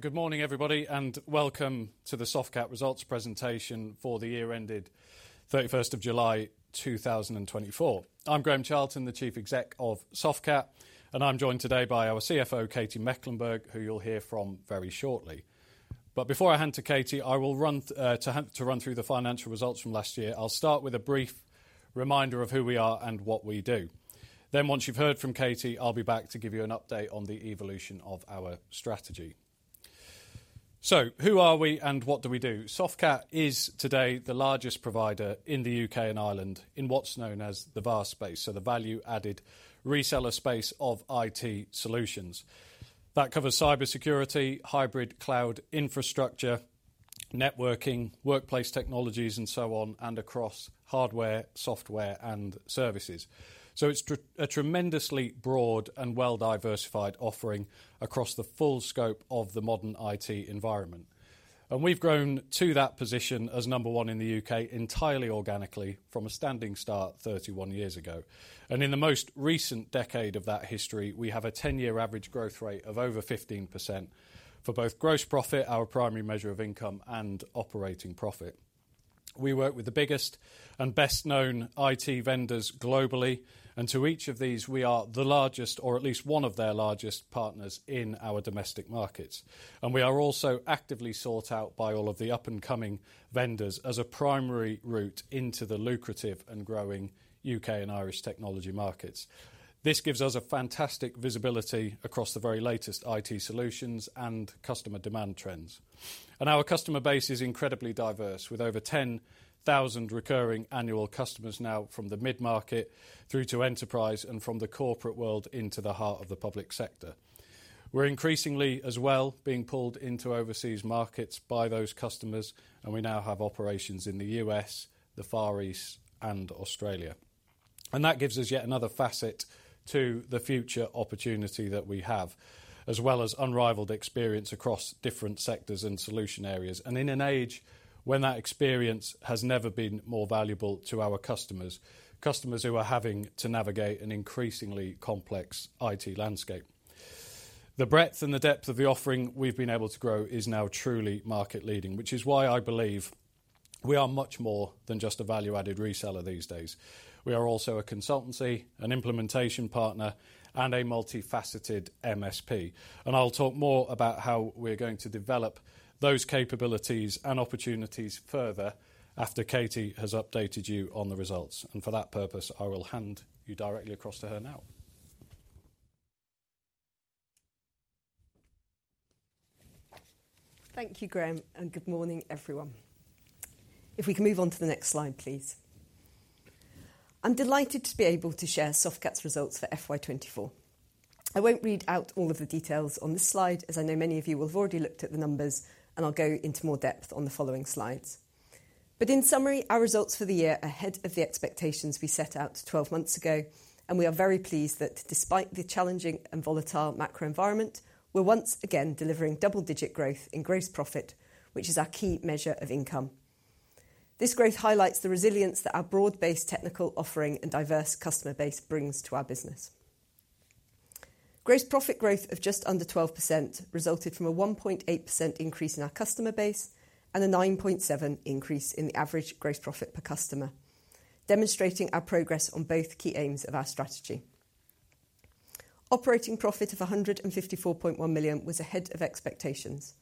Good morning, everybody, and welcome to the Softcat results presentation for the year ended thirty-first of July, two thousand and twenty-four. I'm Graham Charlton, the Chief Exec of Softcat, and I'm joined today by our CFO, Katy Mecklenburgh, who you'll hear from very shortly. But before I hand to Katie, I will run through the financial results from last year. I'll start with a brief reminder of who we are and what we do. Then once you've heard from Katie, I'll be back to give you an update on the evolution of our strategy. So who are we and what we do? Softcat is today the largest provider in the U.K. and Ireland in what's known as the VAR space, so the value-added reseller space of IT solutions. That covers cybersecurity, hybrid cloud infrastructure, networking, workplace technologies, and so on, and across hardware, software, and services. So it's a tremendously broad and well-diversified offering across the full scope of the modern I.T. environment. And we've grown to that position as number one in the U.K. entirely organically from a standing start thirty-one years ago. And in the most recent decade of that history, we have a ten-year average growth rate of over 15% for both gross profit, our primary measure of income, and operating profit. We work with the biggest and best-known I.T. vendors globally, and to each of these, we are the largest or at least one of their largest partners in our domestic markets. And we are also actively sought out by all of the up-and-coming vendors as a primary route into the lucrative and growing U.K. and Irish technology markets. This gives us a fantastic visibility across the very latest IT solutions and customer demand trends. And our customer base is incredibly diverse, with over 10,000 recurring annual customers now from the mid-market through to enterprise and from the corporate world into the heart of the public sector. We're increasingly as well being pulled into overseas markets by those customers, and we now have operations in the U.S. the Far East, and Australia. And that gives us yet another facet to the future opportunity that we have, as well as unrivaled experience across different sectors and solution areas, and in an age when that experience has never been more valuable to our customers, customers who are having to navigate an increasingly complex IT landscape. The breadth and the depth of the offering we've been able to grow is now truly market-leading, which is why I believe we are much more than just a value-added reseller these days. We are also a consultancy, an implementation partner, and a multifaceted MSP, and I'll talk more about how we're going to develop those capabilities and opportunities further after Katie has updated you on the results. And for that purpose, I will hand you directly across to her now. Thank you, Graham, and good morning, everyone. If we can move on to the next slide, please. I'm delighted to be able to share Softcat's results for FY 2024. I won't read out all of the details on this slide, as I know many of you will have already looked at the numbers, and I'll go into more depth on the following slides. But in summary, our results for the year are ahead of the expectations we set out twelve months ago, and we are very pleased that despite the challenging and volatile macro environment, we're once again delivering double-digit growth in gross profit, which is our key measure of income. This growth highlights the resilience that our broad-based technical offering and diverse customer base brings to our business. Gross profit growth of just under 12% resulted from a 1.8% increase in our customer base and a 9.7 increase in the average gross profit per customer, demonstrating our progress on both key aims of our strategy. Operating profit of 154.1 million was ahead of expectations.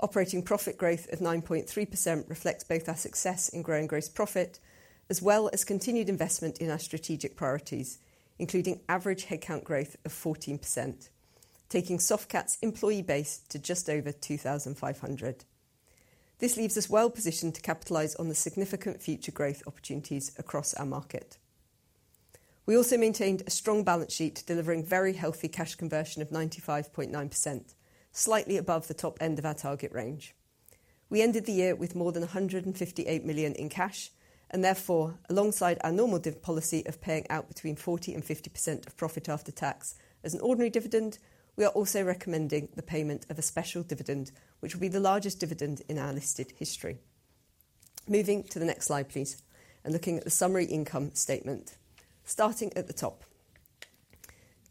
Operating profit growth of 9.3% reflects both our success in growing gross profit, as well as continued investment in our strategic priorities, including average headcount growth of 14%, taking Softcat's employee base to just over 2,500. This leaves us well positioned to capitalize on the significant future growth opportunities across our market. We also maintained a strong balance sheet, delivering very healthy cash conversion of 95.9%, slightly above the top end of our target range. We ended the year with more than 158 million in cash, and therefore, alongside our normal dividend policy of paying out between 40% and 50% of profit after tax as an ordinary dividend, we are also recommending the payment of a special dividend, which will be the largest dividend in our listed history. Moving to the next slide, please, and looking at the summary income statement. Starting at the top.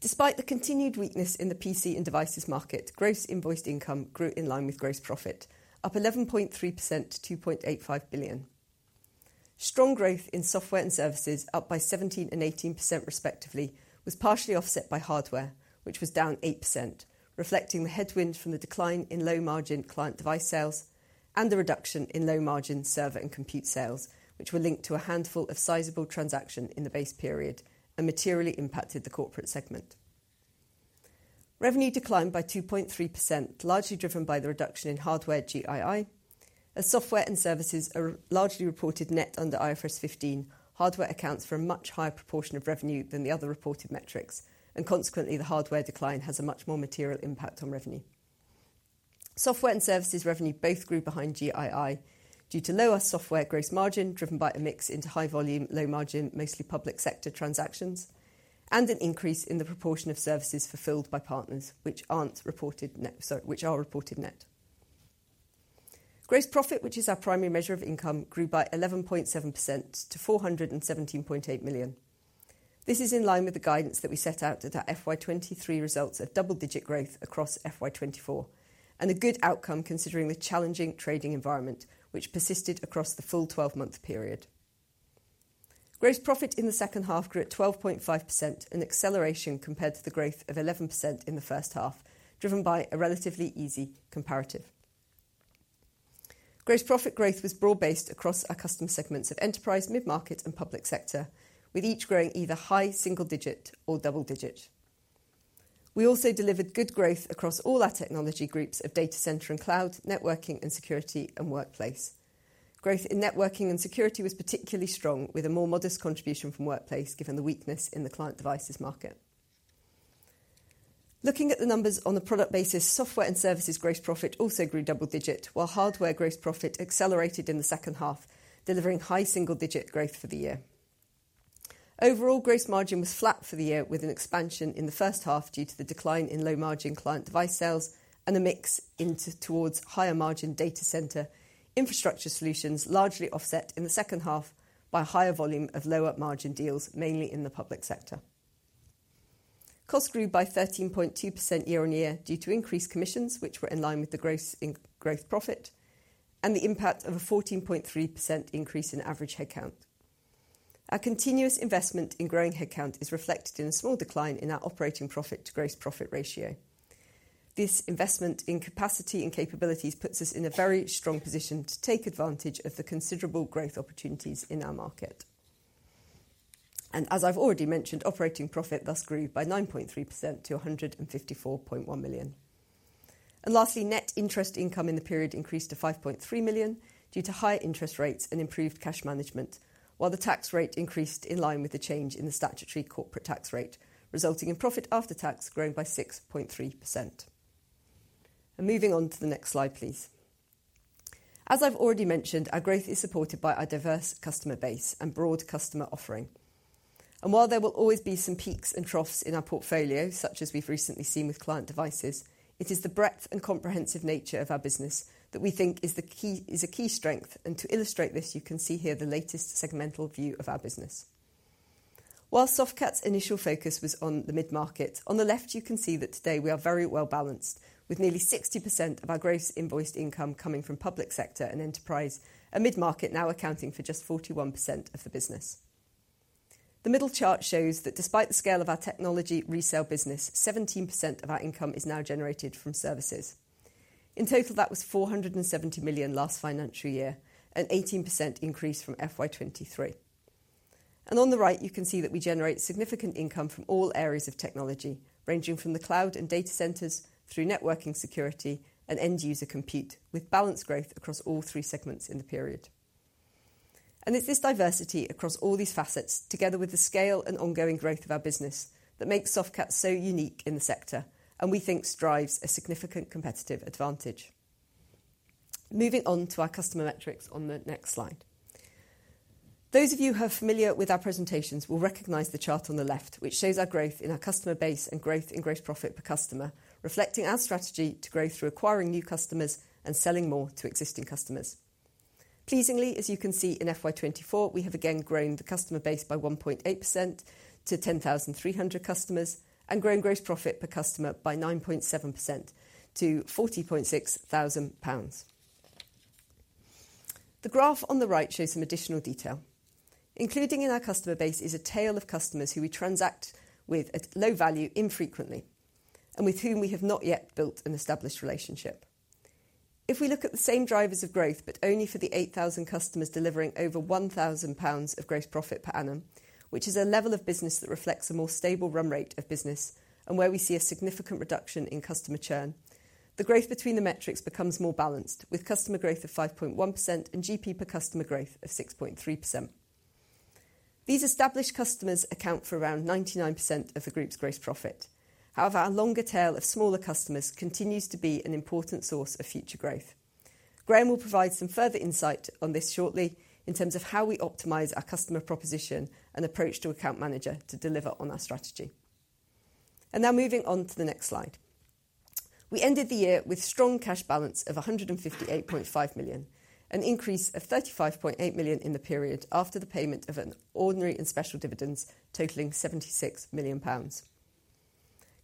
Despite the continued weakness in the PC and devices market, gross invoiced income grew in line with gross profit, up 11.3% to 2.85 billion. Strong growth in software and services, up by 17% and 18% respectively, was partially offset by hardware, which was down 8%, reflecting the headwind from the decline in low-margin client device sales and the reduction in low-margin server and compute sales, which were linked to a handful of sizable transactions in the base period and materially impacted the corporate segment. Revenue declined by 2.3%, largely driven by the reduction in hardware GII. As software and services are largely reported net under IFRS 15, hardware accounts for a much higher proportion of revenue than the other reported metrics, and consequently, the hardware decline has a much more material impact on revenue. Software and services revenue both grew behind GII due to lower software gross margin, driven by a mix into high volume, low margin, mostly public sector transactions, and an increase in the proportion of services fulfilled by partners which aren't reported net, sorry, which are reported net. Gross profit, which is our primary measure of income, grew by 11.7% to 417.8 million. This is in line with the guidance that we set out at our FY 2023 results of double-digit growth across FY 2024, and a good outcome considering the challenging trading environment, which persisted across the full twelve-month period. Gross profit in the second half grew at 12.5%, an acceleration compared to the growth of 11% in the first half, driven by a relatively easy comparative. Gross profit growth was broad-based across our customer segments of enterprise, mid-market, and public sector, with each growing either high single digit or double digit. We also delivered good growth across all our technology groups of data center and cloud, networking and security, and workplace. Growth in networking and security was particularly strong, with a more modest contribution from workplace, given the weakness in the client devices market. Looking at the numbers on a product basis, software and services gross profit also grew double digit, while hardware gross profit accelerated in the second half, delivering high single-digit growth for the year. Overall, gross margin was flat for the year, with an expansion in the first half due to the decline in low-margin client device sales and a mix into towards higher margin data center infrastructure solutions, largely offset in the second half by a higher volume of lower margin deals, mainly in the public sector. Costs grew by 13.2% year-on-year due to increased commissions, which were in line with the gross profit growth and the impact of a 14.3% increase in average headcount. Our continuous investment in growing headcount is reflected in a small decline in our operating profit to gross profit ratio. This investment in capacity and capabilities puts us in a very strong position to take advantage of the considerable growth opportunities in our market. As I've already mentioned, operating profit thus grew by 9.3% to 154.1 million. Lastly, net interest income in the period increased to 5.3 million due to higher interest rates and improved cash management, while the tax rate increased in line with the change in the statutory corporate tax rate, resulting in profit after tax growing by 6.3%. Moving on to the next slide, please. As I've already mentioned, our growth is supported by our diverse customer base and broad customer offering. While there will always be some peaks and troughs in our portfolio, such as we've recently seen with client devices, it is the breadth and comprehensive nature of our business that we think is the key, is a key strength, and to illustrate this, you can see here the latest segmental view of our business. While Softcat's initial focus was on the mid-market, on the left, you can see that today we are very well-balanced, with nearly 60% of our gross invoiced income coming from public sector and enterprise, and mid-market now accounting for just 41% of the business. The middle chart shows that despite the scale of our technology resale business, 17% of our income is now generated from services. In total, that was 470 million last financial year, an 18% increase from FY 2023. And on the right, you can see that we generate significant income from all areas of technology, ranging from the cloud and data centers through networking, security, and end-user compute, with balanced growth across all three segments in the period. And it's this diversity across all these facets, together with the scale and ongoing growth of our business, that makes Softcat so unique in the sector and we think drives a significant competitive advantage. Moving on to our customer metrics on the next slide. Those of you who are familiar with our presentations will recognize the chart on the left, which shows our growth in our customer base and growth in gross profit per customer, reflecting our strategy to grow through acquiring new customers and selling more to existing customers. Pleasingly, as you can see in FY 2024, we have again grown the customer base by 1.8% to 10,300 customers and grown gross profit per customer by 9.7% to 40,600 pounds. The graph on the right shows some additional detail. Including in our customer base is a tail of customers who we transact with at low value infrequently and with whom we have not yet built an established relationship. If we look at the same drivers of growth, but only for the 8,000 customers delivering over 1,000 pounds of gross profit per annum, which is a level of business that reflects a more stable run rate of business and where we see a significant reduction in customer churn, the growth between the metrics becomes more balanced, with customer growth of 5.1% and GP per customer growth of 6.3%. These established customers account for around 99% of the group's gross profit. However, our longer tail of smaller customers continues to be an important source of future growth. Graham will provide some further insight on this shortly in terms of how we optimize our customer proposition and approach to account manager to deliver on our strategy. And now moving on to the next slide. We ended the year with a strong cash balance of 158.5 million, an increase of 35.8 million in the period after the payment of ordinary and special dividends totaling 76 million pounds.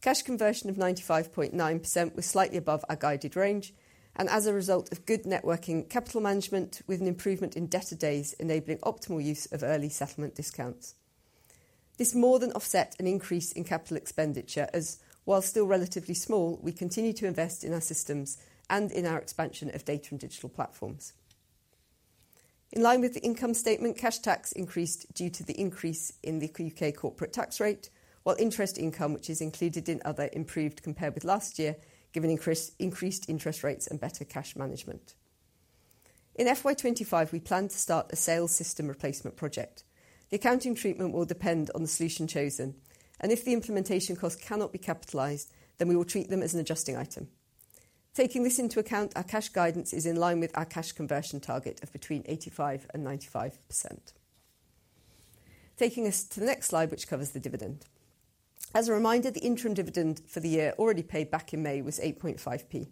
Cash conversion of 95.9% was slightly above our guided range and as a result of good working capital management, with an improvement in debtor days, enabling optimal use of early settlement discounts. This more than offset an increase in capital expenditure, as while still relatively small, we continue to invest in our systems and in our expansion of data and digital platforms. In line with the income statement, cash tax increased due to the increase in the UK corporate tax rate, while interest income, which is included in other, improved compared with last year, given increased interest rates and better cash management. In FY 2025, we plan to start a sales system replacement project. The accounting treatment will depend on the solution chosen, and if the implementation costs cannot be capitalized, then we will treat them as an adjusting item. Taking this into account, our cash guidance is in line with our cash conversion target of between 85% and 95%. Taking us to the next slide, which covers the dividend. As a reminder, the interim dividend for the year already paid back in May was 8.5p.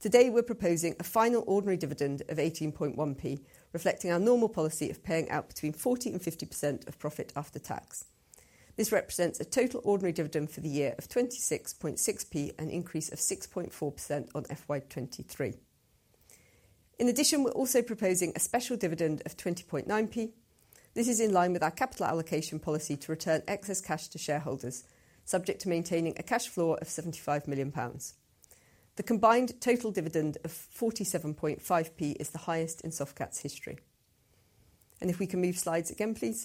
Today, we're proposing a final ordinary dividend of 18.1p, reflecting our normal policy of paying out between 40% and 50% of profit after tax. This represents a total ordinary dividend for the year of 26.6p, an increase of 6.4% on FY 2023. In addition, we're also proposing a special dividend of 20.9p. This is in line with our capital allocation policy to return excess cash to shareholders, subject to maintaining a cash flow of 75 million pounds. The combined total dividend of 47.5p is the highest in Softcat's history. And if we can move slides again, please.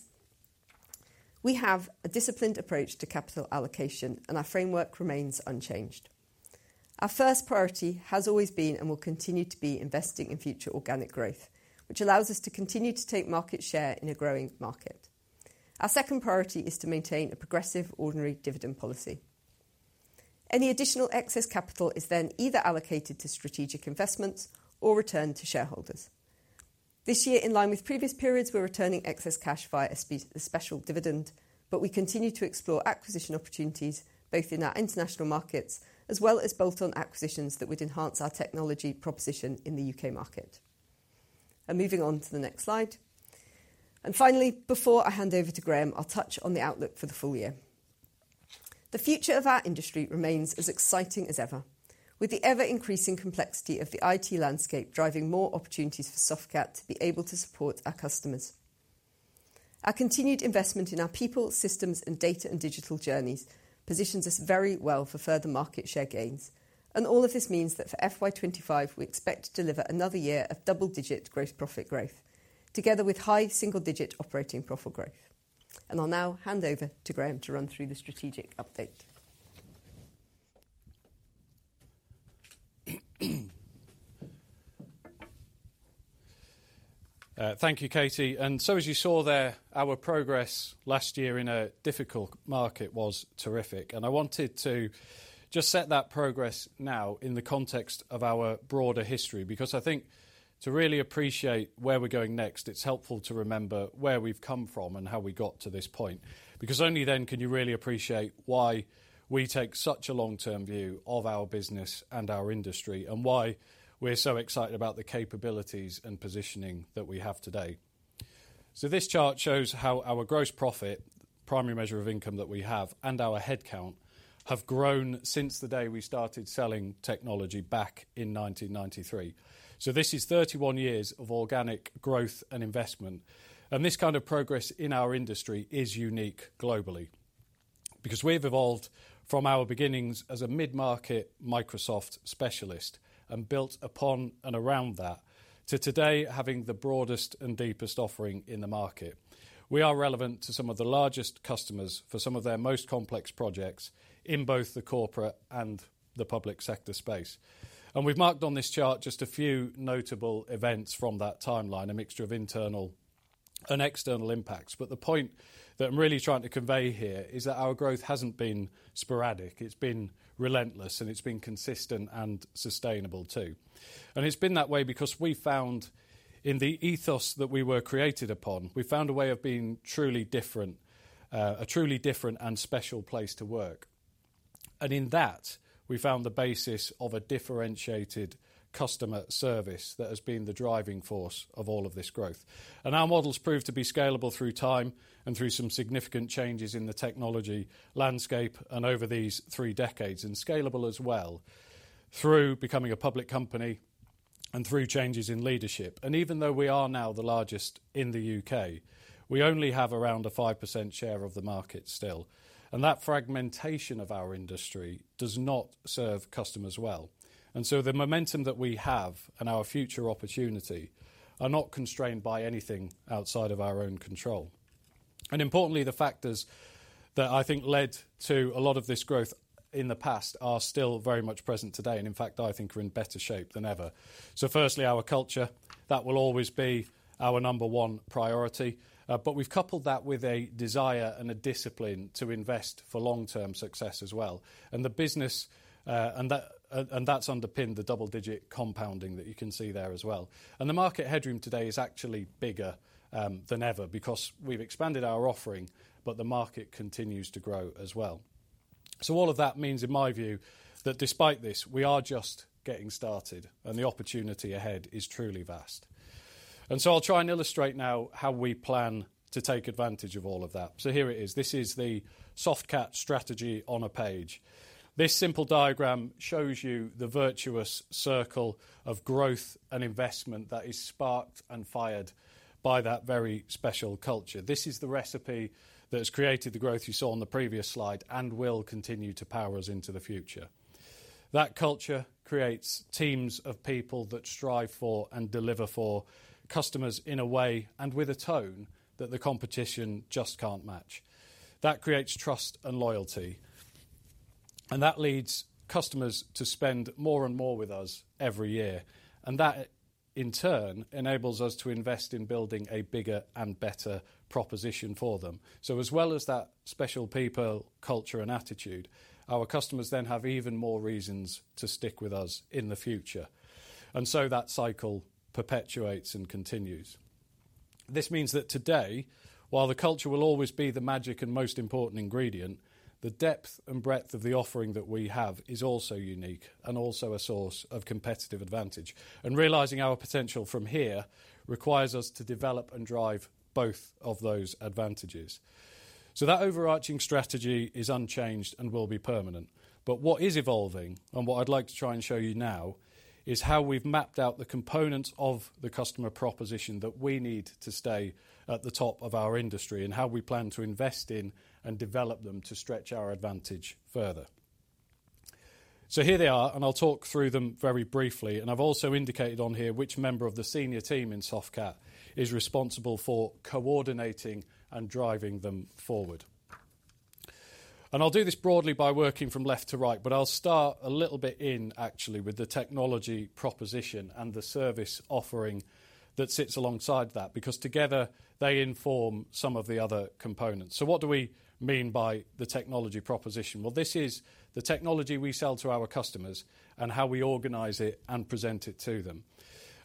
We have a disciplined approach to capital allocation, and our framework remains unchanged. Our first priority has always been, and will continue to be, investing in future organic growth, which allows us to continue to take market share in a growing market. Our second priority is to maintain a progressive ordinary dividend policy. Any additional excess capital is then either allocated to strategic investments or returned to shareholders. This year, in line with previous periods, we're returning excess cash via a special dividend, but we continue to explore acquisition opportunities, both in our international markets as well as bolt-on acquisitions that would enhance our technology proposition in the UK market. And moving on to the next slide. And finally, before I hand over to Graham, I'll touch on the outlook for the full year. The future of our industry remains as exciting as ever, with the ever-increasing complexity of the IT landscape driving more opportunities for Softcat to be able to support our customers. Our continued investment in our people, systems, and data and digital journeys positions us very well for further market share gains, and all of this means that for FY 2025, we expect to deliver another year of double-digit gross profit growth, together with high single-digit operating profit growth. I'll now hand over to Graham to run through the strategic update. Thank you, Katie, and so, as you saw there, our progress last year in a difficult market was terrific, and I wanted to just set that progress now in the context of our broader history, because I think to really appreciate where we're going next, it's helpful to remember where we've come from and how we got to this point. Because only then can you really appreciate why we take such a long-term view of our business and our industry, and why we're so excited about the capabilities and positioning that we have today, so this chart shows how our gross profit, primary measure of income that we have, and our headcount have grown since the day we started selling technology back in nineteen ninety-three, so this is thirty-one years of organic growth and investment, and this kind of progress in our industry is unique globally. Because we've evolved from our beginnings as a mid-market Microsoft specialist and built upon and around that to today, having the broadest and deepest offering in the market. We are relevant to some of the largest customers for some of their most complex projects in both the corporate and the public sector space, and we've marked on this chart just a few notable events from that timeline, a mixture of internal and external impacts, but the point that I'm really trying to convey here is that our growth hasn't been sporadic, it's been relentless, and it's been consistent and sustainable, too, and it's been that way because we found, in the ethos that we were created upon, we found a way of being truly different, a truly different and special place to work. In that, we found the basis of a differentiated customer service that has been the driving force of all of this growth. Our model's proved to be scalable through time and through some significant changes in the technology landscape and over these three decades, and scalable as well through becoming a public company and through changes in leadership. Even though we are now the largest in the U.K., we only have around a 5% share of the market still, and that fragmentation of our industry does not serve customers well. The momentum that we have and our future opportunity are not constrained by anything outside of our own control. Importantly, the factors that I think led to a lot of this growth in the past are still very much present today, and in fact, I think are in better shape than ever. So firstly, our culture that will always be our number one priority, but we've coupled that with a desire and a discipline to invest for long-term success as well. And the business and that's underpinned the double-digit compounding that you can see there as well. And the market headroom today is actually bigger than ever because we've expanded our offering, but the market continues to grow as well. So all of that means, in my view, that despite this, we are just getting started, and the opportunity ahead is truly vast. And so I'll try and illustrate now how we plan to take advantage of all of that. So here it is. This is the Softcat strategy on a page. This simple diagram shows you the virtuous circle of growth and investment that is sparked and fired by that very special culture. This is the recipe that has created the growth you saw on the previous slide and will continue to power us into the future. That culture creates teams of people that strive for and deliver for customers in a way and with a tone that the competition just can't match. That creates trust and loyalty, and that leads customers to spend more and more with us every year, and that, in turn, enables us to invest in building a bigger and better proposition for them. So as well as that special people, culture, and attitude, our customers then have even more reasons to stick with us in the future, and so that cycle perpetuates and continues. This means that today, while the culture will always be the magic and most important ingredient, the depth and breadth of the offering that we have is also unique and also a source of competitive advantage. And realizing our potential from here requires us to develop and drive both of those advantages. So that overarching strategy is unchanged and will be permanent. But what is evolving, and what I'd like to try and show you now, is how we've mapped out the components of the customer proposition that we need to stay at the top of our industry, and how we plan to invest in and develop them to stretch our advantage further. So here they are, and I'll talk through them very briefly. And I've also indicated on here which member of the senior team in Softcat is responsible for coordinating and driving them forward. And I'll do this broadly by working from left to right, but I'll start a little bit in actually with the technology proposition and the service offering that sits alongside that, because together they inform some of the other components. So what do we mean by the technology proposition? Well, this is the technology we sell to our customers, and how we organize it and present it to them.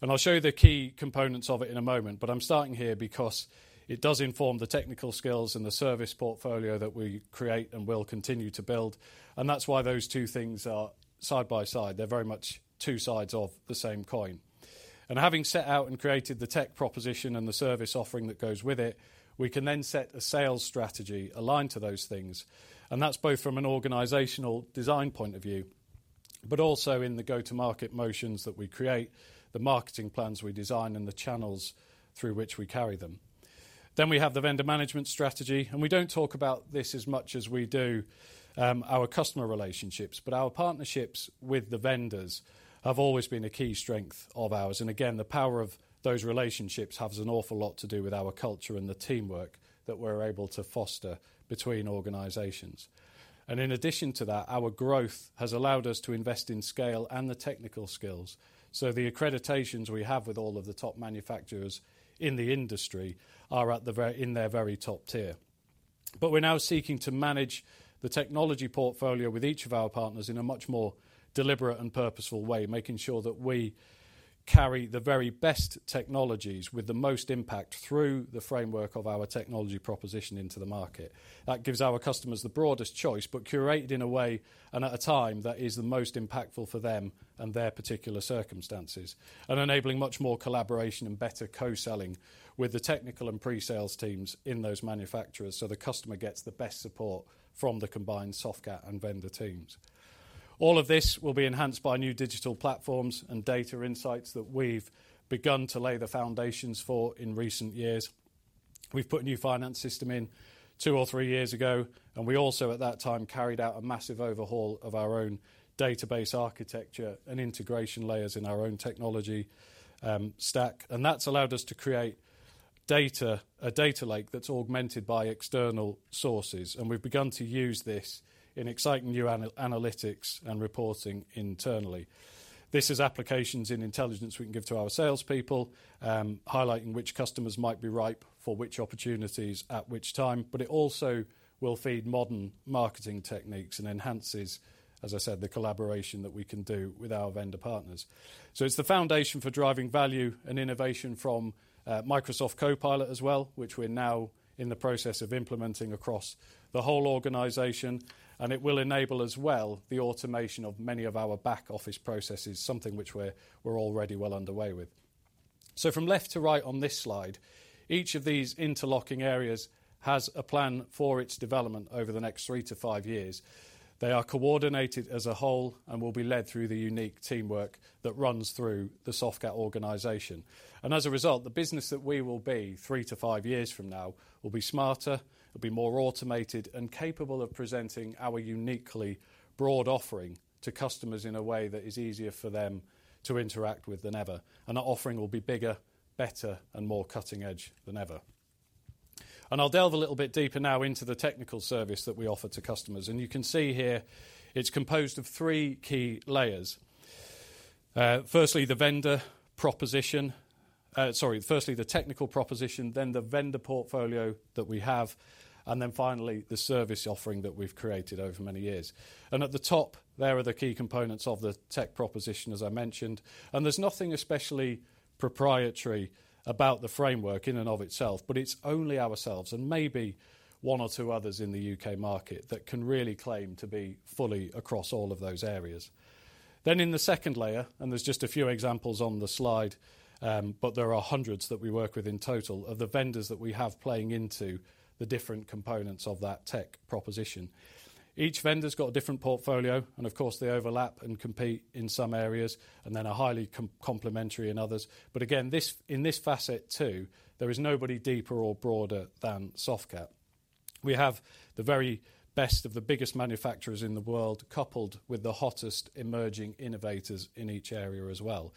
And I'll show you the key components of it in a moment, but I'm starting here because it does inform the technical skills and the service portfolio that we create and will continue to build, and that's why those two things are side by side. They're very much two sides of the same coin. And having set out and created the tech proposition and the service offering that goes with it, we can then set a sales strategy aligned to those things, and that's both from an organizational design point of view, but also in the go-to-market motions that we create, the marketing plans we design, and the channels through which we carry them. Then we have the vendor management strategy, and we don't talk about this as much as we do, our customer relationships. But our partnerships with the vendors have always been a key strength of ours, and again, the power of those relationships has an awful lot to do with our culture and the teamwork that we're able to foster between organizations. In addition to that, our growth has allowed us to invest in scale and the technical skills, so the accreditations we have with all of the top manufacturers in the industry are in their very top tier. But we're now seeking to manage the technology portfolio with each of our partners in a much more deliberate and purposeful way, making sure that we carry the very best technologies with the most impact through the framework of our technology proposition into the market. That gives our customers the broadest choice, but curated in a way and at a time that is the most impactful for them and their particular circumstances. And enabling much more collaboration and better co-selling with the technical and pre-sales teams in those manufacturers, so the customer gets the best support from the combined Softcat and vendor teams. All of this will be enhanced by new digital platforms and data insights that we've begun to lay the foundations for in recent years. We've put a new finance system in two or three years ago, and we also at that time carried out a massive overhaul of our own database architecture and integration layers in our own technology stack. And that's allowed us to create a data lake that's augmented by external sources, and we've begun to use this in exciting new analytics and reporting internally. This is applications in intelligence we can give to our salespeople, highlighting which customers might be ripe for which opportunities at which time, but it also will feed modern marketing techniques and enhances, as I said, the collaboration that we can do with our vendor partners. So it's the foundation for driving value and innovation from Microsoft Copilot as well, which we're now in the process of implementing across the whole organization, and it will enable as well the automation of many of our back office processes, something which we're already well underway with. So from left to right on this slide, each of these interlocking areas has a plan for its development over the next three to five years. They are coordinated as a whole and will be led through the unique teamwork that runs through the Softcat organization. And as a result, the business that we will be three to five years from now will be smarter, will be more automated, and capable of presenting our uniquely broad offering to customers in a way that is easier for them to interact with than ever. Our offering will be bigger, better, and more cutting edge than ever. I'll delve a little bit deeper now into the technical service that we offer to customers, and you can see here it's composed of three key layers. Firstly, the vendor proposition... firstly, the technical proposition, then the vendor portfolio that we have, and then finally, the service offering that we've created over many years. At the top, there are the key components of the tech proposition, as I mentioned, and there's nothing especially proprietary about the framework in and of itself, but it's only ourselves and maybe one or two others in the UK market that can really claim to be fully across all of those areas. Then in the second layer, and there's just a few examples on the slide, but there are hundreds that we work with in total, of the vendors that we have playing into the different components of that tech proposition. Each vendor's got a different portfolio, and of course, they overlap and compete in some areas, and then are highly complementary in others, but again, this in this facet too, there is nobody deeper or broader than Softcat. We have the very best of the biggest manufacturers in the world, coupled with the hottest emerging innovators in each area as well,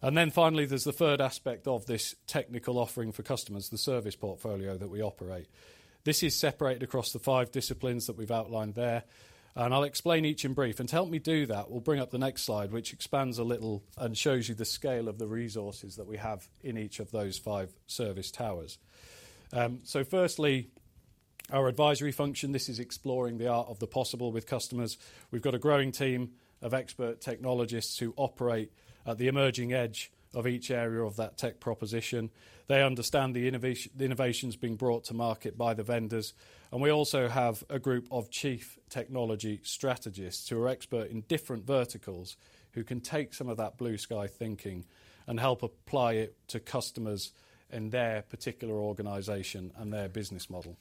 and then finally, there's the third aspect of this technical offering for customers, the service portfolio that we operate. This is separated across the five disciplines that we've outlined there, and I'll explain each in brief. And to help me do that, we'll bring up the next slide, which expands a little and shows you the scale of the resources that we have in each of those five service towers. Our advisory function. This is exploring the art of the possible with customers. We've got a growing team of expert technologists who operate at the emerging edge of each area of that tech proposition. They understand the innovations being brought to market by the vendors, and we also have a group of chief technology strategists who are expert in different verticals, who can take some of that blue sky thinking and help apply it to customers in their particular organization and their business model.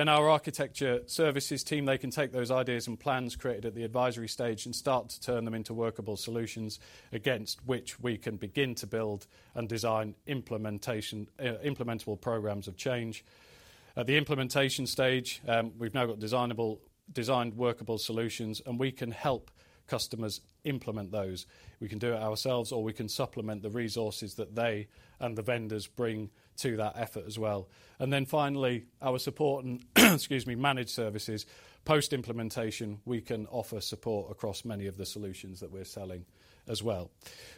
Then our architecture services team, they can take those ideas and plans created at the advisory stage and start to turn them into workable solutions against which we can begin to build and design implementation, implementable programs of change. At the implementation stage, we've now got designable, designed workable solutions, and we can help customers implement those. We can do it ourselves, or we can supplement the resources that they and the vendors bring to that effort as well. And then finally, our support and, excuse me, managed services. Post-implementation, we can offer support across many of the solutions that we're selling as well.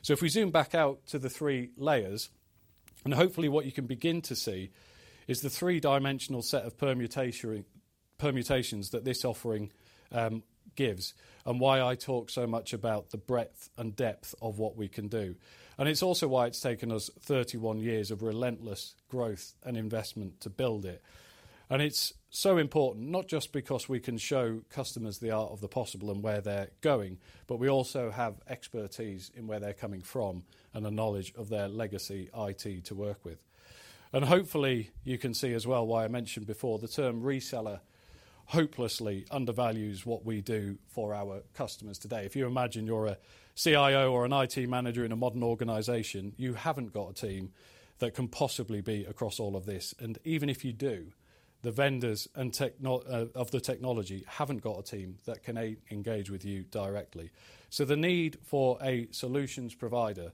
So if we zoom back out to the three layers, and hopefully what you can begin to see is the three-dimensional set of permutations that this offering gives and why I talk so much about the breadth and depth of what we can do. And it's also why it's taken us thirty-one years of relentless growth and investment to build it. And it's so important, not just because we can show customers the art of the possible and where they're going, but we also have expertise in where they're coming from and the knowledge of their legacy IT to work with. And hopefully, you can see as well why I mentioned before, the term reseller hopelessly undervalues what we do for our customers today. If you imagine you're a CIO or an IT manager in a modern organization, you haven't got a team that can possibly be across all of this, and even if you do, the vendors and technology haven't got a team that can engage with you directly. The need for a solutions provider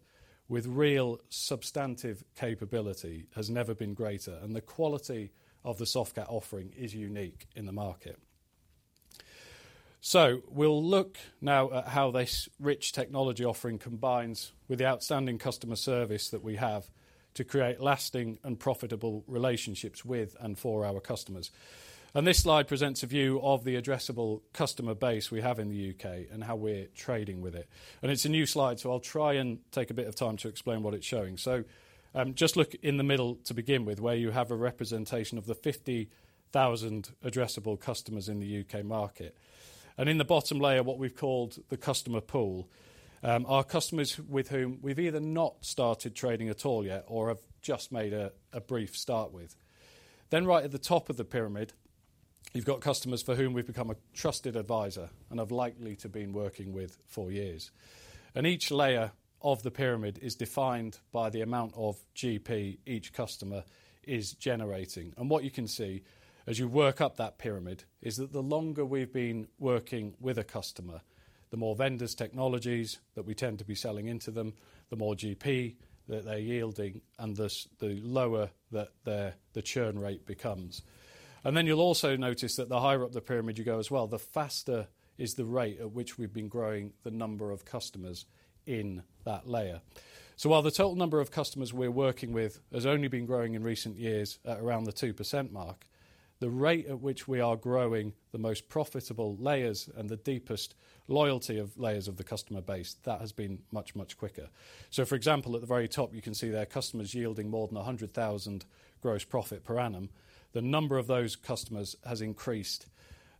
with real substantive capability has never been greater, and the quality of the Softcat offering is unique in the market. We'll look now at how this rich technology offering combines with the outstanding customer service that we have to create lasting and profitable relationships with and for our customers. This slide presents a view of the addressable customer base we have in the UK and how we're trading with it. It's a new slide, so I'll try and take a bit of time to explain what it's showing. So, just look in the middle to begin with, where you have a representation of the 50,000 addressable customers in the UK market. And in the bottom layer, what we've called the customer pool, are customers with whom we've either not started trading at all yet or have just made a brief start with. Then right at the top of the pyramid, you've got customers for whom we've become a trusted advisor and have likely to been working with for years. And each layer of the pyramid is defined by the amount of GP each customer is generating. And what you can see as you work up that pyramid is that the longer we've been working with a customer, the more vendors, technologies that we tend to be selling into them, the more GP that they're yielding and thus, the lower that their, the churn rate becomes. And then you'll also notice that the higher up the pyramid you go as well, the faster is the rate at which we've been growing the number of customers in that layer. So while the total number of customers we're working with has only been growing in recent years at around the 2% mark, the rate at which we are growing the most profitable layers and the deepest loyalty of layers of the customer base, that has been much, much quicker. So for example, at the very top, you can see there are customers yielding more than 100,000 gross profit per annum. The number of those customers has increased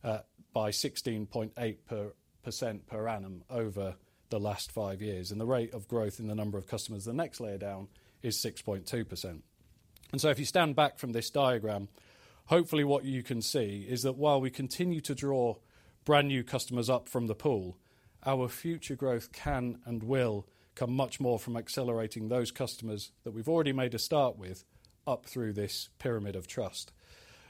by 16.8% per annum over the last five years, and the rate of growth in the number of customers, the next layer down, is 6.2%. And so if you stand back from this diagram, hopefully what you can see is that while we continue to draw brand-new customers up from the pool, our future growth can and will come much more from accelerating those customers that we've already made a start with up through this pyramid of trust.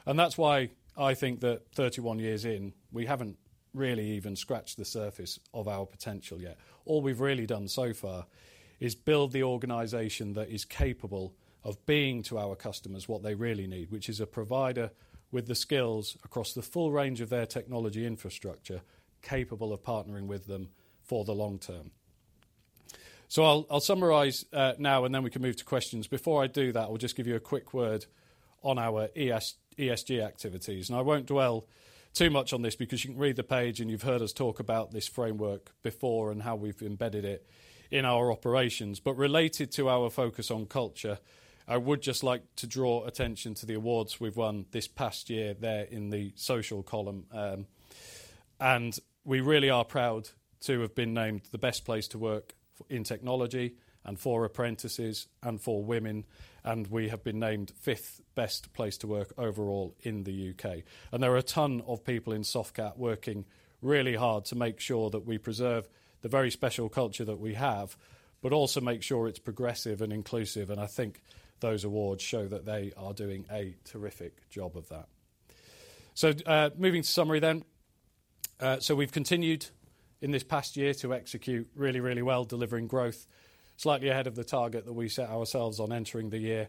And that's why I think that 31 years in, we haven't really even scratched the surface of our potential yet. All we've really done so far is build the organization that is capable of being to our customers what they really need, which is a provider with the skills across the full range of their technology infrastructure, capable of partnering with them for the long term. So I'll summarize now and then we can move to questions. Before I do that, I'll just give you a quick word on our ESG activities. And I won't dwell too much on this because you can read the page, and you've heard us talk about this framework before and how we've embedded it in our operations. But related to our focus on culture, I would just like to draw attention to the awards we've won this past year there in the social column. And we really are proud to have been named the best place to work for in technology and for apprentices and for women, and we have been named fifth best place to work overall in the UK. And there are a ton of people in Softcat working really hard to make sure that we preserve the very special culture that we have, but also make sure it's progressive and inclusive, and I think those awards show that they are doing a terrific job of that. So, moving to summary then. So we've continued in this past year to execute really, really well, delivering growth slightly ahead of the target that we set ourselves on entering the year.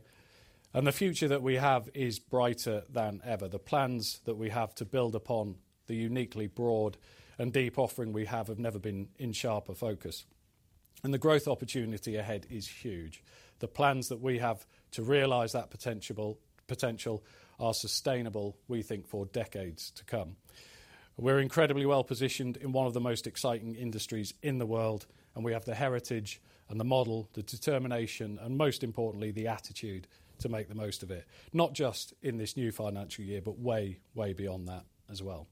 And the future that we have is brighter than ever. The plans that we have to build upon the uniquely broad and deep offering we have have never been in sharper focus... and the growth opportunity ahead is huge. The plans that we have to realize that potential are sustainable, we think, for decades to come. We're incredibly well-positioned in one of the most exciting industries in the world, and we have the heritage and the model, the determination, and most importantly, the attitude to make the most of it, not just in this new financial year, but way, way beyond that as well.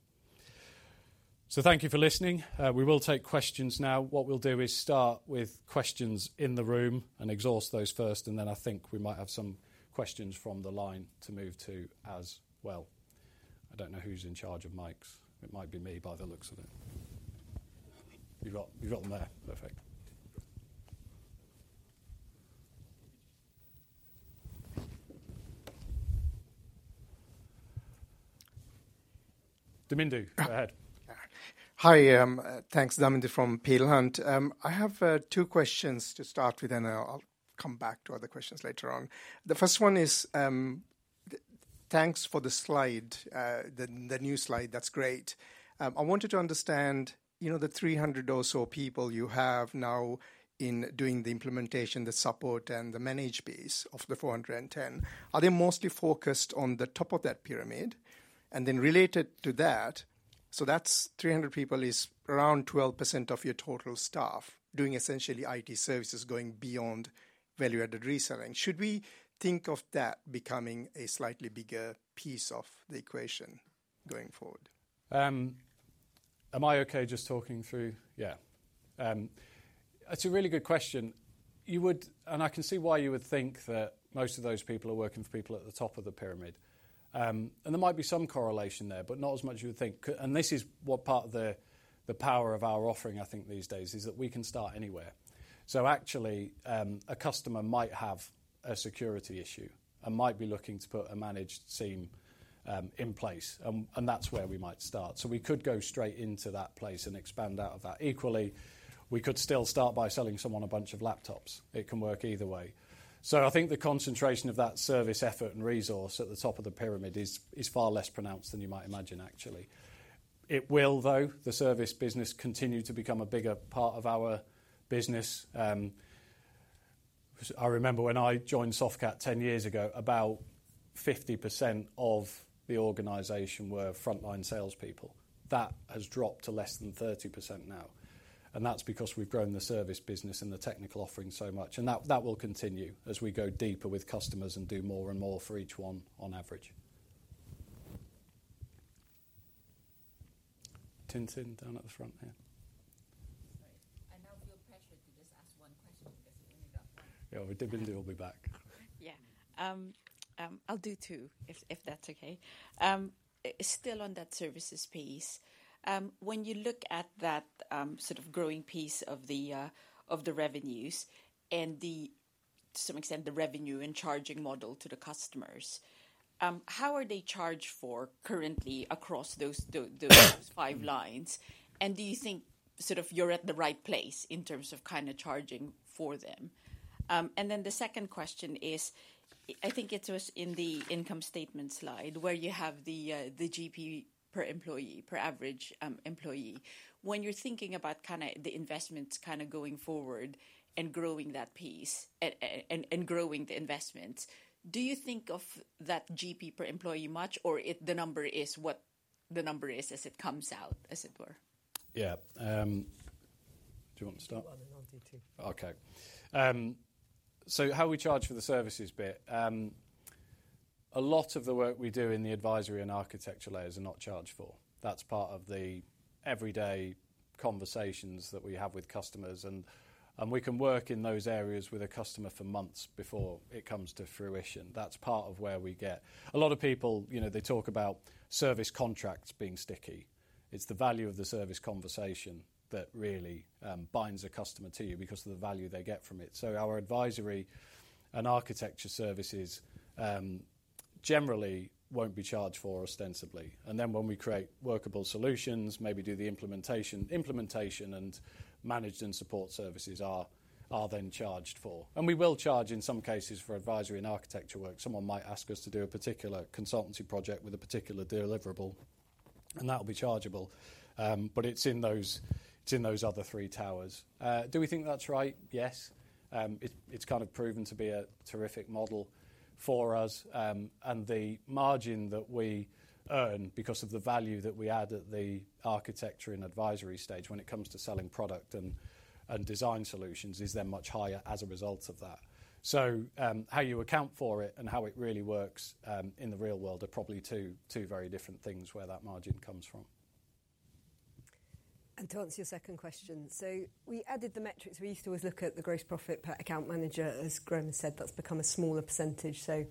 So thank you for listening. We will take questions now. What we'll do is start with questions in the room and exhaust those first, and then I think we might have some questions from the line to move to as well. I don't know who's in charge of mics. It might be me by the looks of it. You've got, you've got them there. Perfect. Damindu, go ahead. Hi, thanks. Damindu from Peel Hunt. I have two questions to start with, and then I'll come back to other questions later on. The first one is, thanks for the slide, the new slide. That's great. I wanted to understand, you know, the 300 or so people you have now in doing the implementation, the support, and the managed piece of the 410. Are they mostly focused on the top of that pyramid? And then related to that, so that's 300 people is around 12% of your total staff doing essentially IT services, going beyond value-added reselling. Should we think of that becoming a slightly bigger piece of the equation going forward? Am I okay just talking through? Yeah. That's a really good question. You would... And I can see why you would think that most of those people are working for people at the top of the pyramid, and there might be some correlation there, but not as much as you would think, and this is what part of the power of our offering, I think, these days, is that we can start anywhere, so actually, a customer might have a security issue and might be looking to put a managed team in place, and that's where we might start, so we could go straight into that place and expand out of that. Equally, we could still start by selling someone a bunch of laptops. It can work either way. So I think the concentration of that service effort and resource at the top of the pyramid is far less pronounced than you might imagine, actually. It will, though, the service business continue to become a bigger part of our business. I remember when I joined Softcat ten years ago, about 50% of the organization were frontline salespeople. That has dropped to less than 30% now, and that's because we've grown the service business and the technical offering so much, and that will continue as we go deeper with customers and do more and more for each one on average. Tintin, down at the front there. Sorry. I now feel pressured to just ask one question because you ended up. Yeah, but Damindu will be back. Yeah. I'll do two, if that's okay. Still on that services piece, when you look at that sort of growing piece of the revenues and the, to some extent, the revenue and charging model to the customers, how are they charged for currently across those five lines? And do you think sort of you're at the right place in terms of kind of charging for them? And then the second question is, I think it was in the income statement slide, where you have the GP per employee, per average employee. When you're thinking about kind of the investments going forward and growing that piece and growing the investments, do you think of that GP per employee much, or if the number is what the number is, as it comes out, as it were? Yeah. Do you want to start? I'll do two. Okay, so how we charge for the services bit. A lot of the work we do in the advisory and architectural layers are not charged for. That's part of the everyday conversations that we have with customers, and we can work in those areas with a customer for months before it comes to fruition. That's part of where we get... A lot of people, you know, they talk about service contracts being sticky. It's the value of the service conversation that really binds a customer to you because of the value they get from it, so our advisory and architecture services generally won't be charged for ostensibly, and then when we create workable solutions, maybe do the implementation. Implementation and managed and support services are then charged for. And we will charge, in some cases, for advisory and architecture work. Someone might ask us to do a particular consultancy project with a particular deliverable, and that will be chargeable. But it's in those other three towers. Do we think that's right? Yes. It's kind of proven to be a terrific model for us. And the margin that we earn because of the value that we add at the architecture and advisory stage when it comes to selling product and design solutions is then much higher as a result of that. So, how you account for it and how it really works in the real world are probably two very different things where that margin comes from. To answer your second question, so we added the metrics. We used to always look at the gross profit per account manager. As Graham said, that's become a smaller percentage, so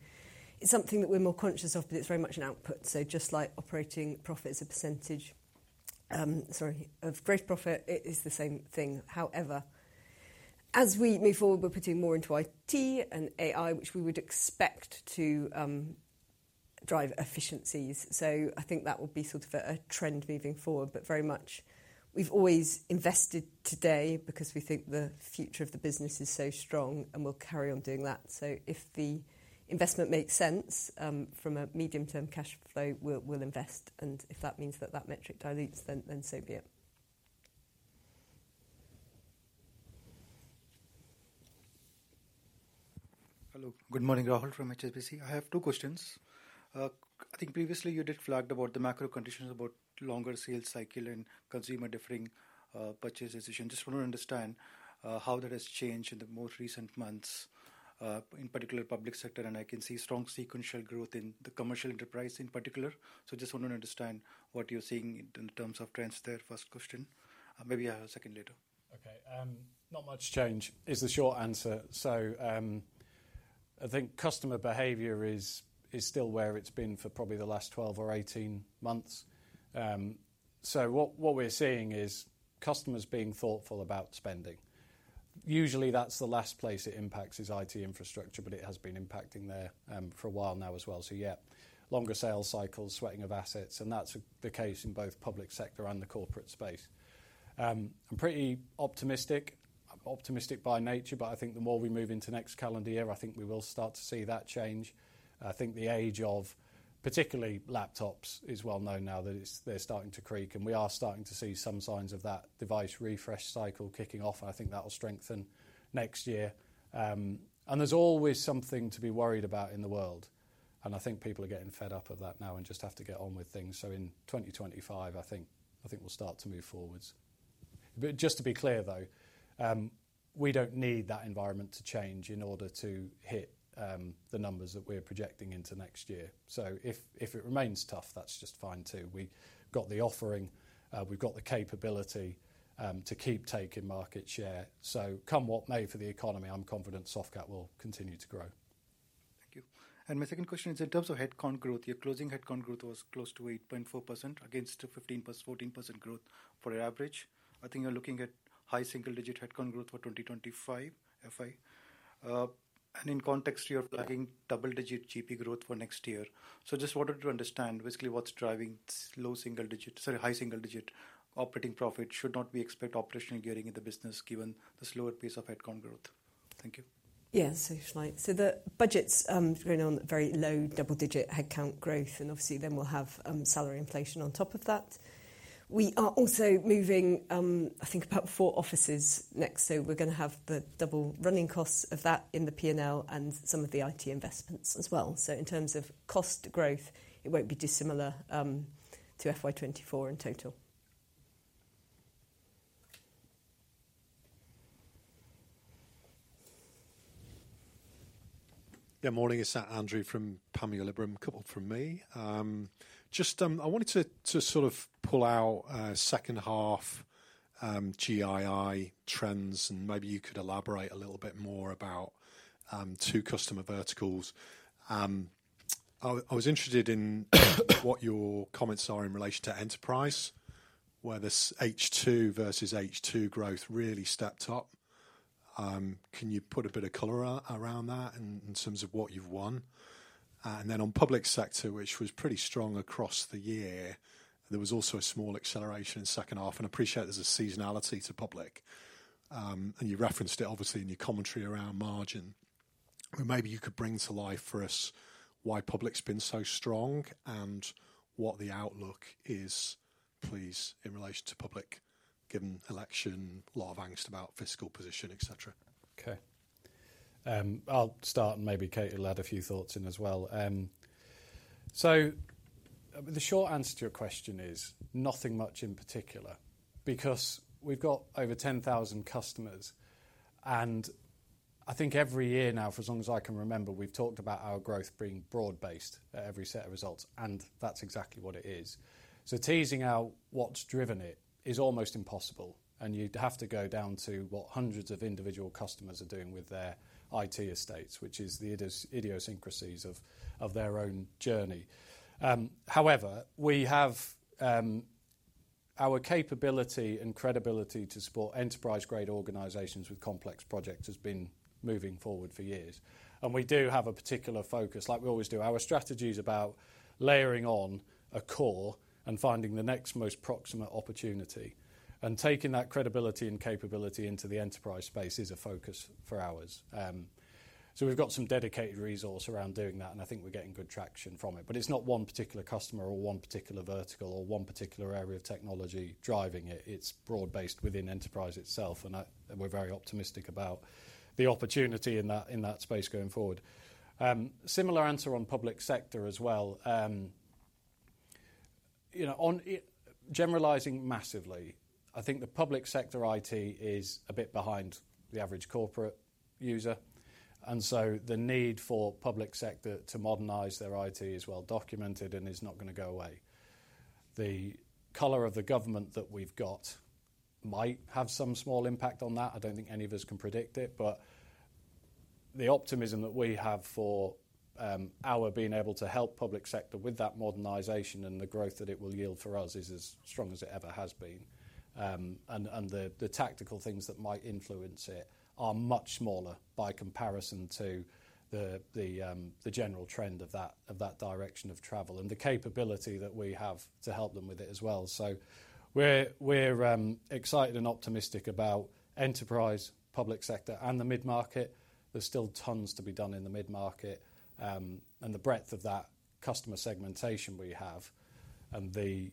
it's something that we're more conscious of, but it's very much an output. So just like operating profit is a percentage, sorry, of gross profit, it is the same thing. However, as we move forward, we're putting more into IT and AI, which we would expect to drive efficiencies. So I think that will be sort of a trend moving forward, but very much we've always invested today because we think the future of the business is so strong, and we'll carry on doing that. So if the investment makes sense, from a medium-term cash flow, we'll invest, and if that means that that metric dilutes, then so be it.... Hello. Good morning, Rahul from HSBC. I have two questions. I think previously you did flagged about the macro conditions, about longer sales cycle and consumer deferring purchase decision. Just want to understand how that has changed in the most recent months, in particular public sector, and I can see strong sequential growth in the commercial enterprise in particular. So just want to understand what you're seeing in terms of trends there, first question. Maybe I have a second later. Okay, not much change is the short answer. So, I think customer behavior is still where it's been for probably the last twelve or eighteen months. So what we're seeing is customers being thoughtful about spending. Usually, that's the last place it impacts is IT infrastructure, but it has been impacting there, for a while now as well. So yeah, longer sales cycles, sweating of assets, and that's the case in both public sector and the corporate space. I'm pretty optimistic. I'm optimistic by nature, but I think the more we move into next calendar year, I think we will start to see that change. I think the age of particularly laptops is well known now, that they're starting to creak, and we are starting to see some signs of that device refresh cycle kicking off, and I think that will strengthen next year. And there's always something to be worried about in the world, and I think people are getting fed up of that now and just have to get on with things. In twenty twenty-five, I think we'll start to move forwards. But just to be clear, though, we don't need that environment to change in order to hit the numbers that we're projecting into next year. If it remains tough, that's just fine, too. We've got the offering, we've got the capability to keep taking market share. Come what may for the economy, I'm confident Softcat will continue to grow. Thank you. My second question is: in terms of headcount growth, your closing headcount growth was close to 8.4% against a 15% plus 14% growth for your average. I think you're looking at high single-digit headcount growth for 2025 FY. And in context, you're flagging double-digit GP growth for next year. So just wanted to understand basically what's driving low single digits... sorry, high single-digit operating profit. Should not we expect operational gearing in the business given the slower pace of headcount growth? Thank you. So the budgets going on very low double-digit headcount growth, and obviously, then we'll have salary inflation on top of that. We are also moving, I think, about four offices next, so we're gonna have the double running costs of that in the P&L and some of the IT investments as well. So in terms of cost growth, it won't be dissimilar to FY 2024 in total. Yeah, morning. It's Andrew from Panmure Liberum. A couple from me. Just, I wanted to sort of pull out second half GII trends, and maybe you could elaborate a little bit more about two customer verticals. I was interested in what your comments are in relation to enterprise, where this H2 versus H2 growth really stacked up. Can you put a bit of color around that in terms of what you've won? And then on public sector, which was pretty strong across the year, there was also a small acceleration in second half, and I appreciate there's a seasonality to public. And you referenced it obviously in your commentary around margin, but maybe you could bring to life for us why public's been so strong and what the outlook is, please, in relation to public, given election, a lot of angst about fiscal position, et cetera. Okay. I'll start and maybe Katie will add a few thoughts in as well. So the short answer to your question is nothing much in particular, because we've got over ten thousand customers, and I think every year now, for as long as I can remember, we've talked about our growth being broad-based at every set of results, and that's exactly what it is, so teasing out what's driven it is almost impossible, and you'd have to go down to what hundreds of individual customers are doing with their IT estates, which is the idiosyncrasies of their own journey. However, we have our capability and credibility to support enterprise-grade organizations with complex projects has been moving forward for years, and we do have a particular focus, like we always do. Our strategy is about layering on a core and finding the next most proximate opportunity, and taking that credibility and capability into the enterprise space is a focus for ours. So we've got some dedicated resource around doing that, and I think we're getting good traction from it. But it's not one particular customer or one particular vertical or one particular area of technology driving it. It's broad-based within enterprise itself, and we're very optimistic about the opportunity in that, in that space going forward. Similar answer on public sector as well. You know, on IT generalizing massively, I think the public sector IT is a bit behind the average corporate user, and so the need for public sector to modernize their IT is well documented and is not gonna go away. The color of the government that we've got might have some small impact on that. I don't think any of us can predict it, but the optimism that we have for our being able to help public sector with that modernization and the growth that it will yield for us is as strong as it ever has been, and the tactical things that might influence it are much smaller by comparison to the general trend of that direction of travel and the capability that we have to help them with it as well, so we're excited and optimistic about enterprise, public sector, and the mid-market. There's still tons to be done in the mid-market, and the breadth of that customer segmentation we have.... and the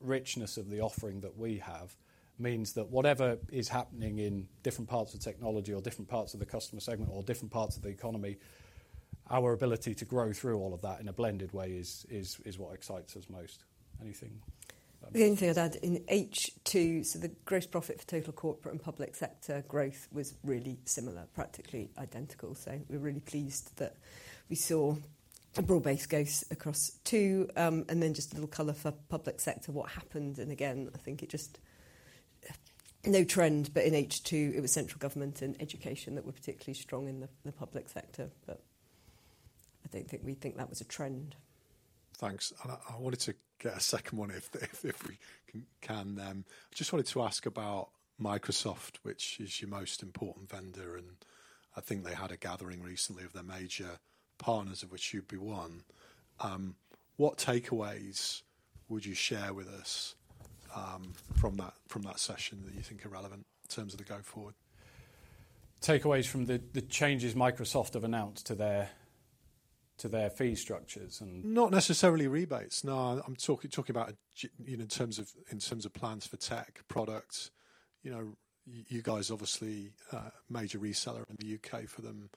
richness of the offering that we have means that whatever is happening in different parts of technology, or different parts of the customer segment, or different parts of the economy, our ability to grow through all of that in a blended way is what excites us most. Anything? The only thing I'd add, in H2, so the gross profit for total corporate and public sector growth was really similar, practically identical. So we're really pleased that we saw a broad-based growth across two. And then just a little color for public sector, what happened, and again, I think it just... No trend, but in H2, it was central government and education that were particularly strong in the public sector, but I don't think we'd think that was a trend. Thanks. And I wanted to get a second one, if we can, just wanted to ask about Microsoft, which is your most important vendor, and I think they had a gathering recently of their major partners, of which you'd be one. What takeaways would you share with us, from that session that you think are relevant in terms of the way forward? Takeaways from the changes Microsoft have announced to their fee structures and- Not necessarily rebates. No. I'm talking about in terms of plans for tech products. You know, you guys obviously are a major reseller in the UK for them.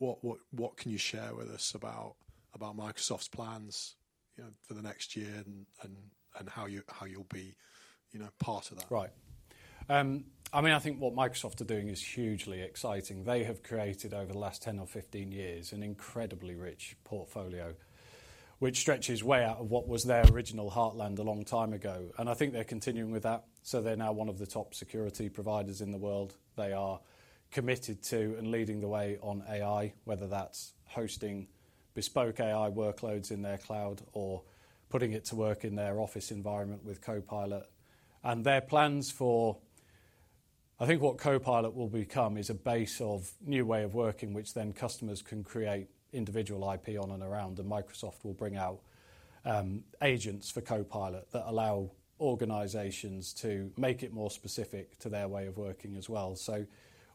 What can you share with us about Microsoft's plans, you know, for the next year and how you'll be, you know, part of that? Right. I mean, I think what Microsoft are doing is hugely exciting. They have created, over the last ten or fifteen years, an incredibly rich portfolio, which stretches way out of what was their original heartland a long time ago, and I think they're continuing with that, so they're now one of the top security providers in the world. They are committed to and leading the way on AI, whether that's hosting bespoke AI workloads in their cloud or putting it to work in their office environment with Copilot. Their plans for... I think what Copilot will become is a base of new way of working, which then customers can create individual IP on and around, and Microsoft will bring out agents for Copilot that allow organizations to make it more specific to their way of working as well. So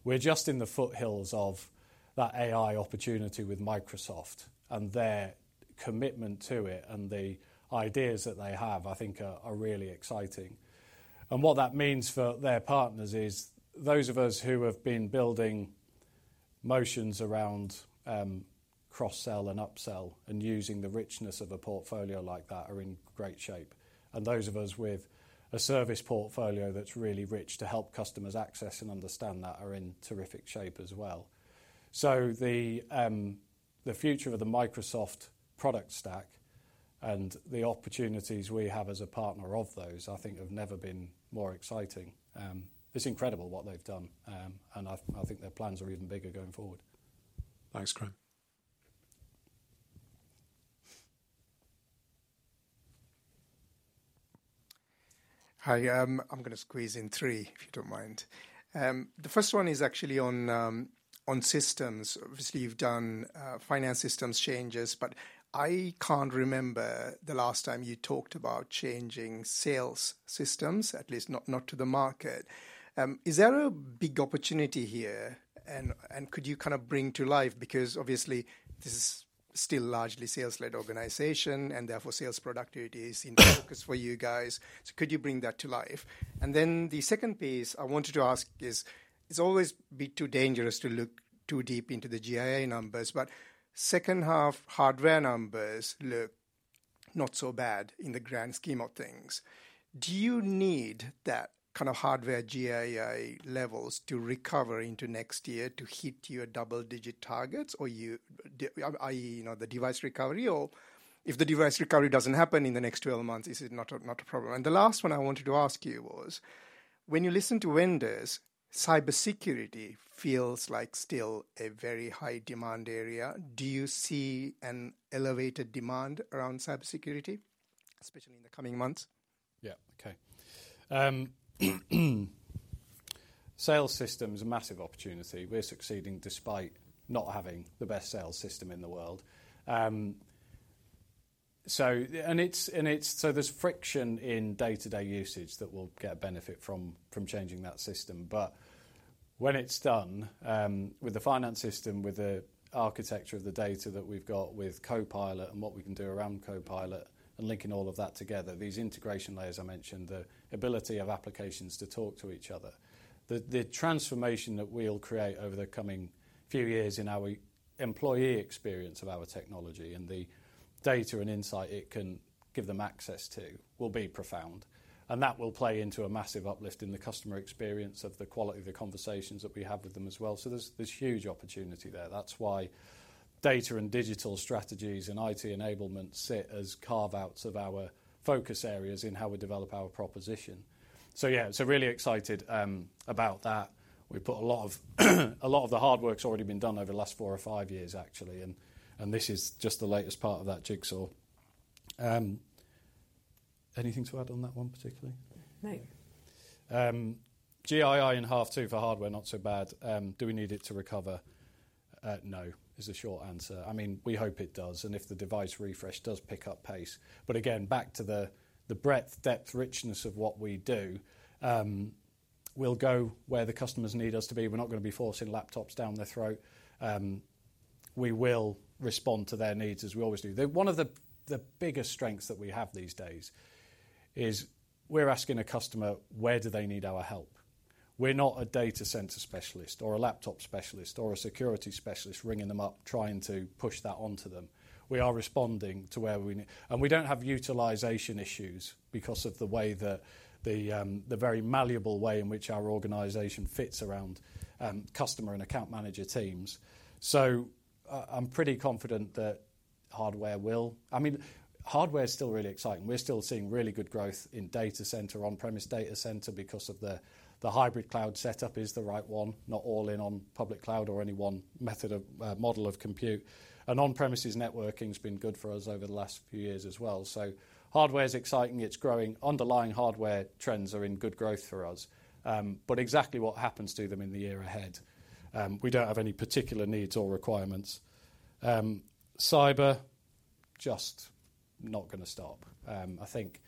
we're just in the foothills of that AI opportunity with Microsoft, and their commitment to it and the ideas that they have, I think are really exciting. And what that means for their partners is, those of us who have been building motions around, cross-sell and upsell and using the richness of a portfolio like that are in great shape, and those of us with a service portfolio that's really rich to help customers access and understand that, are in terrific shape as well. So the future of the Microsoft product stack and the opportunities we have as a partner of those, I think have never been more exciting. It's incredible what they've done, and I think their plans are even bigger going forward. Thanks, Graham. Hi, I'm going to squeeze in three, if you don't mind. The first one is actually on systems. Obviously, you've done finance systems changes, but I can't remember the last time you talked about changing sales systems, at least not to the market. Is there a big opportunity here? And could you kind of bring to life, because obviously this is still largely sales-led organization, and therefore, sales productivity is in focus for you guys. So could you bring that to life? And then the second piece I wanted to ask is, it's always a bit too dangerous to look too deep into the GII numbers, but second-half hardware numbers look not so bad in the grand scheme of things. Do you need that kind of hardware GII levels to recover into next year to hit your double-digit targets, or you, i.e., you know, the device recovery, or if the device recovery doesn't happen in the next twelve months, is it not a problem? And the last one I wanted to ask you was, when you listen to vendors, cybersecurity feels like still a very high-demand area. Do you see an elevated demand around cybersecurity, especially in the coming months? Yeah. Okay. Sales system is a massive opportunity. We're succeeding despite not having the best sales system in the world. So there's friction in day-to-day usage that will get a benefit from changing that system. But when it's done, with the finance system, with the architecture of the data that we've got with Copilot and what we can do around Copilot and linking all of that together, these integration layers I mentioned, the ability of applications to talk to each other. The transformation that we'll create over the coming few years in our employee experience of our technology, and the data and insight it can give them access to, will be profound. And that will play into a massive uplift in the customer experience of the quality of the conversations that we have with them as well. So there's huge opportunity there. That's why data and digital strategies and IT enablement sit as carve-outs of our focus areas in how we develop our proposition. So yeah, so really excited about that. We've put a lot of the hard work's already been done over the last four or five years, actually, and this is just the latest part of that jigsaw. Anything to add on that one particularly? No. GII in half two for hardware, not so bad. Do we need it to recover? No, is the short answer. I mean, we hope it does, and if the device refresh does pick up pace. But again, back to the breadth, depth, richness of what we do, we'll go where the customers need us to be. We're not going to be forcing laptops down their throat, we will respond to their needs as we always do. One of the biggest strengths that we have these days is we're asking a customer: where do they need our help? We're not a data center specialist or a laptop specialist or a security specialist ringing them up, trying to push that onto them. We are responding to where we need... And we don't have utilization issues because of the way the very malleable way in which our organization fits around customer and account manager teams. So I'm pretty confident that hardware will, I mean, hardware is still really exciting. We're still seeing really good growth in data center, on-premises data center, because of the hybrid cloud setup is the right one, not all in on public cloud or any one method of model of compute. And on-premises networking's been good for us over the last few years as well, so hardware is exciting, it's growing. Underlying hardware trends are in good growth for us. But exactly what happens to them in the year ahead, we don't have any particular needs or requirements. Cyber, just not gonna stop. I think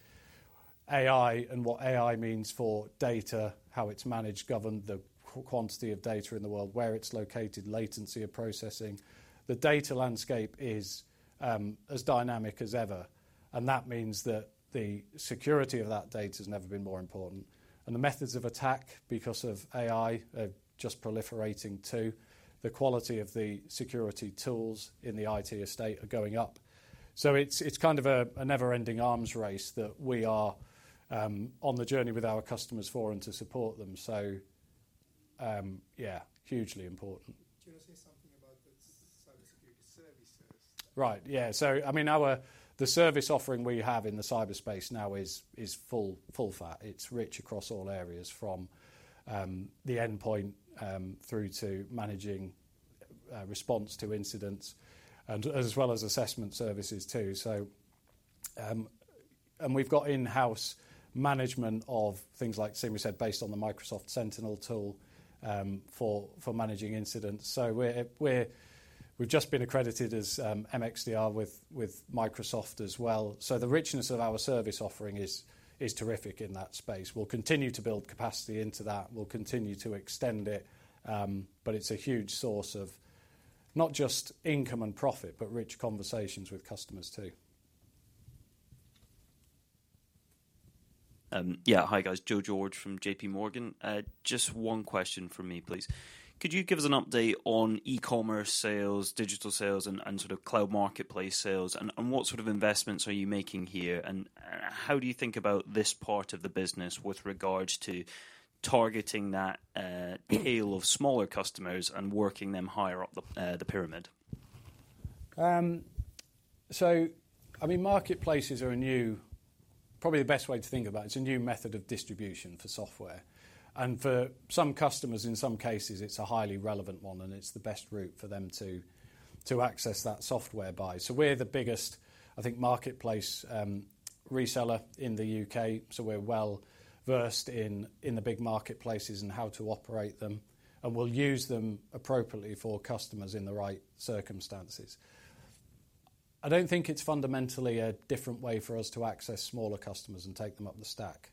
AI and what AI means for data, how it's managed, governed, the quantity of data in the world, where it's located, latency of processing. The data landscape is as dynamic as ever, and that means that the security of that data has never been more important. And the methods of attack, because of AI, are just proliferating, too. The quality of the security tools in the IT estate are going up. So it's kind of a never-ending arms race that we are on the journey with our customers for and to support them. So yeah, hugely important. Can you say something about the cybersecurity services? Right. Yeah, so I mean, our the service offering we have in the cybersecurity now is full fat. It's rich across all areas, from the endpoint through to managing response to incidents and as well as assessment services, too. So, and we've got in-house management of things like SIEM, we said, based on the Microsoft Sentinel tool, for managing incidents. So we've just been accredited as MXDR with Microsoft as well. So the richness of our service offering is terrific in that space. We'll continue to build capacity into that, we'll continue to extend it, but it's a huge source of not just income and profit, but rich conversations with customers, too. Yeah. Hi, guys, Joe George from J.P. Morgan. Just one question from me, please. Could you give us an update on e-commerce sales, digital sales, and sort of cloud marketplace sales? And what sort of investments are you making here, and how do you think about this part of the business with regards to targeting that tail of smaller customers and working them higher up the pyramid? So, I mean, marketplaces are a new... Probably the best way to think about it, it's a new method of distribution for software. And for some customers, in some cases, it's a highly relevant one, and it's the best route for them to access that software by. So we're the biggest, I think, marketplace reseller in the U.K., so we're well-versed in the big marketplaces and how to operate them, and we'll use them appropriately for customers in the right circumstances. I don't think it's fundamentally a different way for us to access smaller customers and take them up the stack.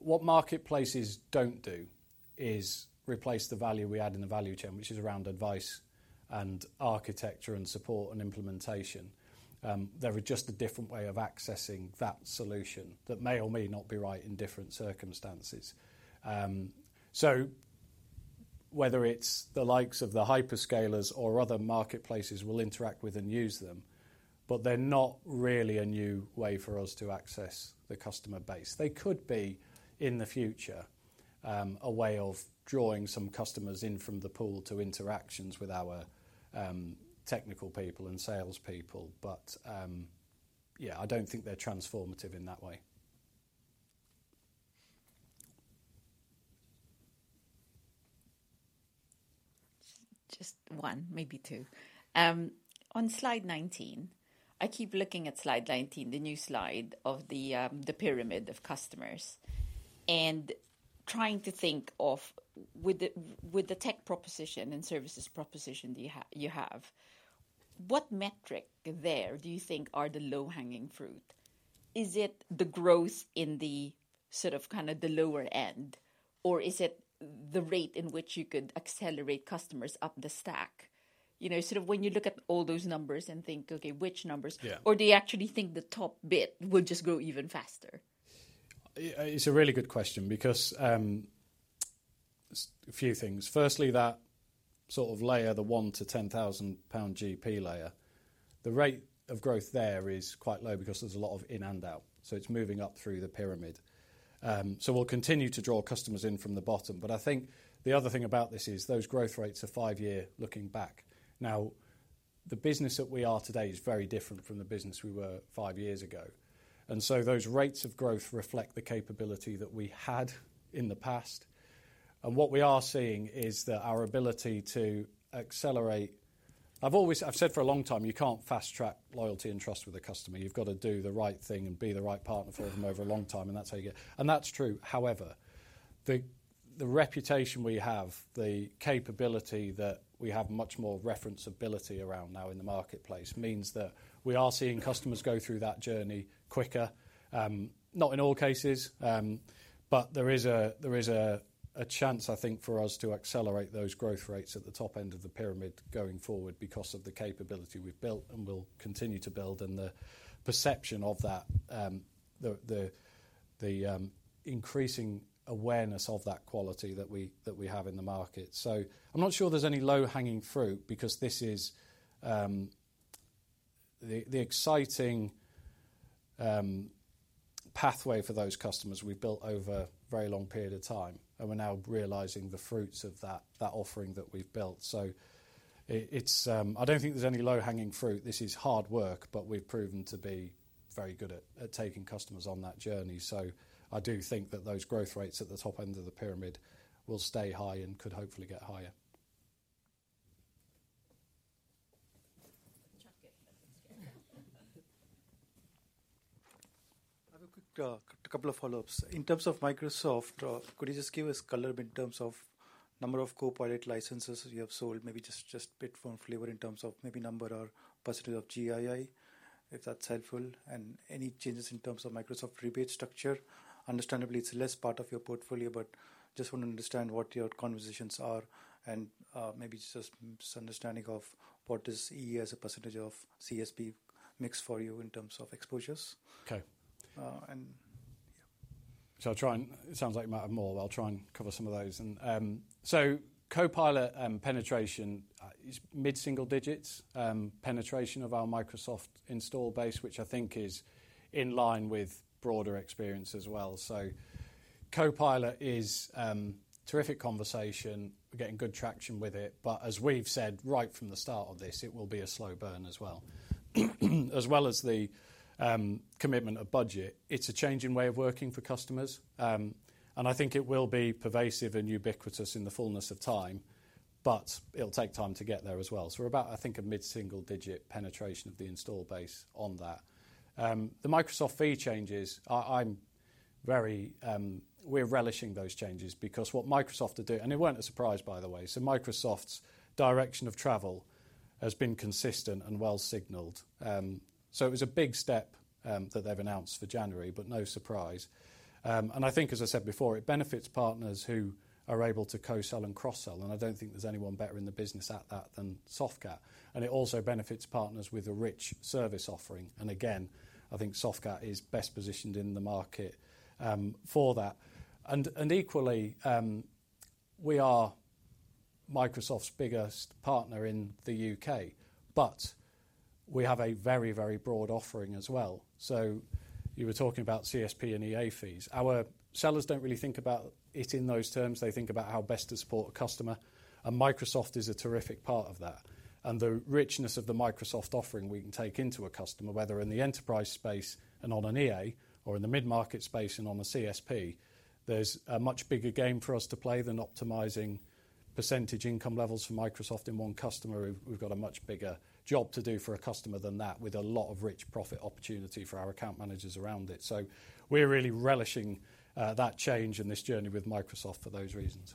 What marketplaces don't do is replace the value we add in the value chain, which is around advice and architecture and support and implementation. They're just a different way of accessing that solution that may or may not be right in different circumstances. So whether it's the likes of the hyperscalers or other marketplaces, we'll interact with and use them, but they're not really a new way for us to access the customer base. They could be, in the future, a way of drawing some customers in from the pool to interactions with our, technical people and sales people, but, yeah, I don't think they're transformative in that way. Just one, maybe two. On Slide 19, I keep looking at Slide 19, the new slide of the, the pyramid of customers, and trying to think of with the, with the tech proposition and services proposition you have, what metric there do you think are the low-hanging fruit? Is it the growth in the sort of, kind of the lower end, or is it the rate in which you could accelerate customers up the stack? You know, sort of when you look at all those numbers and think, "Okay, which numbers? Yeah. Or do you actually think the top bit will just grow even faster? It's a really good question because, a few things. Firstly, that sort of layer, the one to 10,000 pound GP layer, the rate of growth there is quite low because there's a lot of in and out, so it's moving up through the pyramid. So we'll continue to draw customers in from the bottom. But I think the other thing about this is those growth rates are five-year looking back. Now, the business that we are today is very different from the business we were five years ago, and so those rates of growth reflect the capability that we had in the past. And what we are seeing is that our ability to accelerate. I've said for a long time, "You can't fast track loyalty and trust with a customer. You've got to do the right thing and be the right partner for them over a long time, and that's how you get... and that's true. However, the reputation we have, the capability that we have much more referenceability around now in the marketplace, means that we are seeing customers go through that journey quicker, not in all cases, but there is a chance, I think, for us to accelerate those growth rates at the top end of the pyramid going forward because of the capability we've built and will continue to build, and the perception of that, the increasing awareness of that quality that we have in the market. So I'm not sure there's any low-hanging fruit, because this is the exciting pathway for those customers we've built over a very long period of time, and we're now realizing the fruits of that offering that we've built. So it's. I don't think there's any low-hanging fruit. This is hard work, but we've proven to be very good at taking customers on that journey. So I do think that those growth rates at the top end of the pyramid will stay high and could hopefully get higher. I have a quick couple of follow-ups. In terms of Microsoft, could you just give us color in terms of number of Copilot licenses you have sold? Maybe just a bit for flavor in terms of maybe number or percentage of GII, if that's helpful, and any changes in terms of Microsoft rebate structure? Understandably, it's less part of your portfolio, but just want to understand what your conversations are and maybe just understanding of what is EA as a percentage of CSP mix for you in terms of exposures. Okay. And, yeah. I'll try and it sounds like you might have more. I'll try and cover some of those. And so Copilot penetration is mid-single digits penetration of our Microsoft install base, which I think is in line with broader experience as well. Copilot is terrific conversation. We're getting good traction with it. But as we've said right from the start of this, it will be a slow burn as well. As well as the commitment of budget. It's a changing way of working for customers. And I think it will be pervasive and ubiquitous in the fullness of time, but it'll take time to get there as well. We're about, I think, a mid-single-digit penetration of the install base on that. The Microsoft fee changes, I'm very, we're relishing those changes because what Microsoft are doing, and it weren't a surprise, by the way, so Microsoft's direction of travel has been consistent and well signaled. So it was a big step that they've announced for January, but no surprise. And I think, as I said before, it benefits partners who are able to co-sell and cross-sell, and I don't think there's anyone better in the business at that than Softcat. And it also benefits partners with a rich service offering, and again, I think Softcat is best positioned in the market for that. And equally, we are Microsoft's biggest partner in the UK, but we have a very, very broad offering as well. So you were talking about CSP and EA fees. Our sellers don't really think about it in those terms. They think about how best to support a customer, and Microsoft is a terrific part of that. And the richness of the Microsoft offering we can take into a customer, whether in the enterprise space and on an EA or in the mid-market space and on a CSP, there's a much bigger game for us to play than optimizing percentage income levels for Microsoft in one customer. We've got a much bigger job to do for a customer than that, with a lot of rich profit opportunity for our account managers around it. So we're really relishing that change and this journey with Microsoft for those reasons.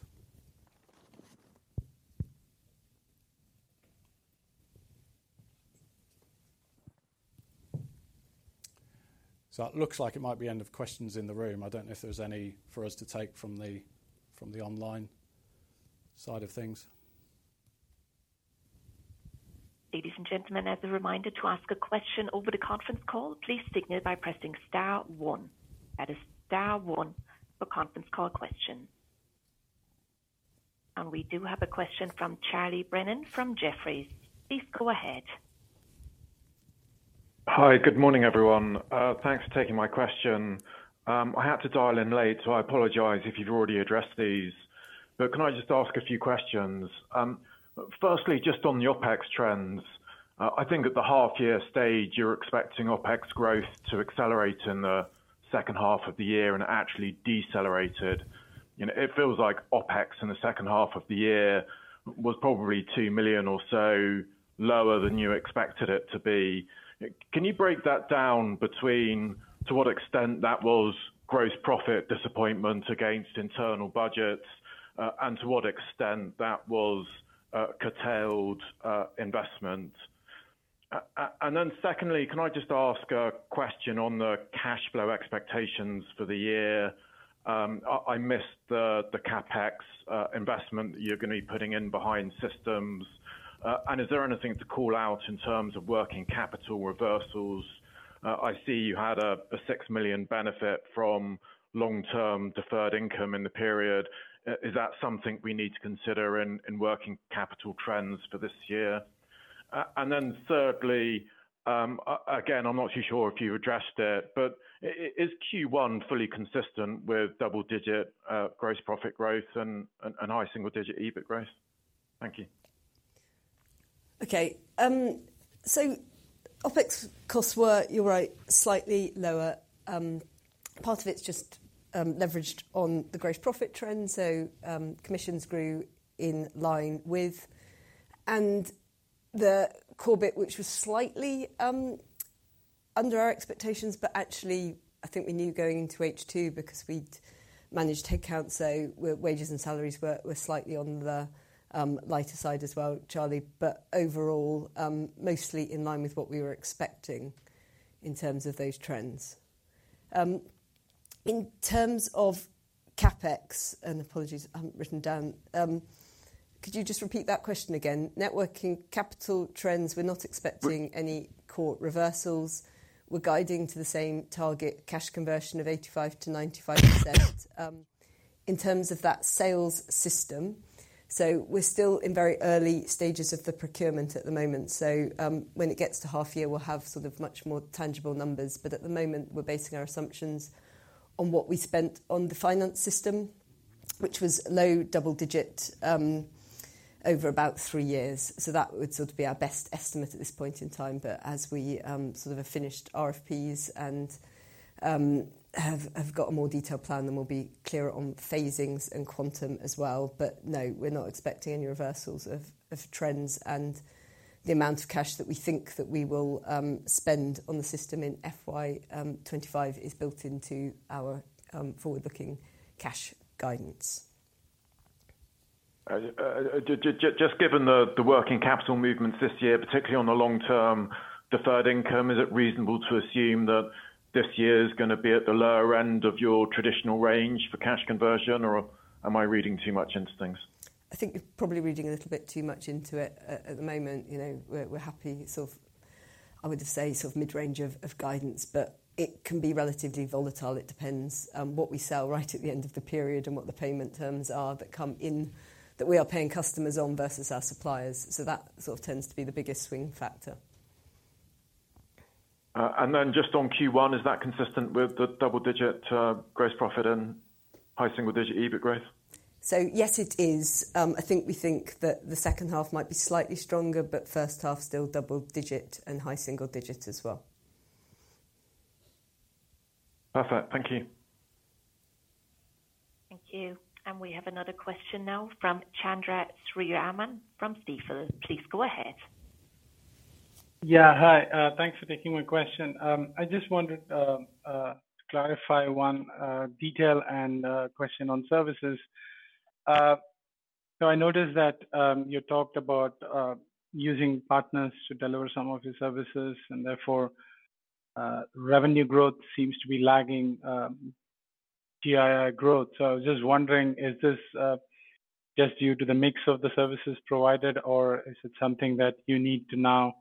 So it looks like it might be the end of questions in the room. I don't know if there's any for us to take from the online side of things. Ladies and gentlemen, as a reminder, to ask a question over the conference call, please signal by pressing star one. That is star one for conference call questions. And we do have a question from Charlie Brennan from Jefferies. Please go ahead. Hi, good morning, everyone. Thanks for taking my question. I had to dial in late, so I apologize if you've already addressed these, but can I just ask a few questions? Firstly, just on the OpEx trends, I think at the half year stage, you're expecting OpEx growth to accelerate in the second half of the year and actually decelerated. You know, it feels like OpEx in the second half of the year was probably two million or so lower than you expected it to be. Can you break that down between, to what extent that was gross profit disappointment against internal budgets, and to what extent that was, curtailed, investment? And then secondly, can I just ask a question on the cash flow expectations for the year? I missed the CapEx investment that you're gonna be putting in behind systems. And is there anything to call out in terms of working capital reversals? I see you had a 6 million benefit from long-term deferred income in the period. Is that something we need to consider in working capital trends for this year? And then thirdly, again, I'm not too sure if you addressed it, but is Q1 fully consistent with double-digit gross profit growth and high single-digit EBIT growth? Thank you. Okay, so OpEx costs were, you're right, slightly lower. Part of it's just leveraged on the gross profit trend, so commissions grew in line with, and the core bit, which was slightly under our expectations, but actually I think we knew going into H2 because we'd managed head count, so wages and salaries were slightly on the lighter side as well, Charlie, but overall, mostly in line with what we were expecting in terms of those trends. In terms of CapEx, and apologies, I haven't written down. Could you just repeat that question again? Working capital trends, we're not expecting any current reversals. We're guiding to the same target cash conversion of 85%-95%. In terms of that sales system, so we're still in very early stages of the procurement at the moment. So, when it gets to half year, we'll have sort of much more tangible numbers, but at the moment, we're basing our assumptions on what we spent on the finance system, which was low double digit over about three years. So that would sort of be our best estimate at this point in time. But as we sort of have finished RFPs and have got a more detailed plan, then we'll be clearer on phasings and quantum as well. But no, we're not expecting any reversals of trends and the amount of cash that we think that we will spend on the system in FY25 is built into our forward-looking cash guidance. Just given the working capital movements this year, particularly on the long-term deferred income, is it reasonable to assume that this year is gonna be at the lower end of your traditional range for cash conversion, or am I reading too much into things? I think you're probably reading a little bit too much into it at the moment. You know, we're happy, sort of, I would just say, sort of mid-range of guidance, but it can be relatively volatile. It depends on what we sell right at the end of the period and what the payment terms are that come in, that we are paying customers on versus our suppliers. So that sort of tends to be the biggest swing factor. And then just on Q1, is that consistent with the double-digit gross profit and high single-digit EBIT growth? So yes, it is. I think we think that the second half might be slightly stronger, but first half, still double digit and high single digit as well. Perfect. Thank you. Thank you. And we have another question now from Chandra Sriraman from Stifel. Please go ahead. Yeah, hi. Thanks for taking my question. I just wanted to clarify one detail and question on services. So I noticed that you talked about using partners to deliver some of your services, and therefore, revenue growth seems to be lagging GII growth. So I was just wondering, is this just due to the mix of the services provided, or is it something that you need to now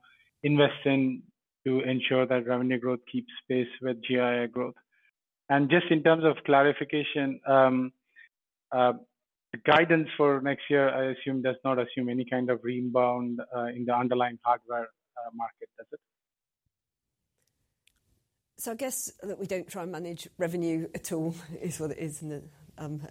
invest in to ensure that revenue growth keeps pace with GII growth? And just in terms of clarification, the guidance for next year, I assume, does not assume any kind of rebound in the underlying hardware market, does it? So, I guess that we don't try and manage revenue at all is what it is, and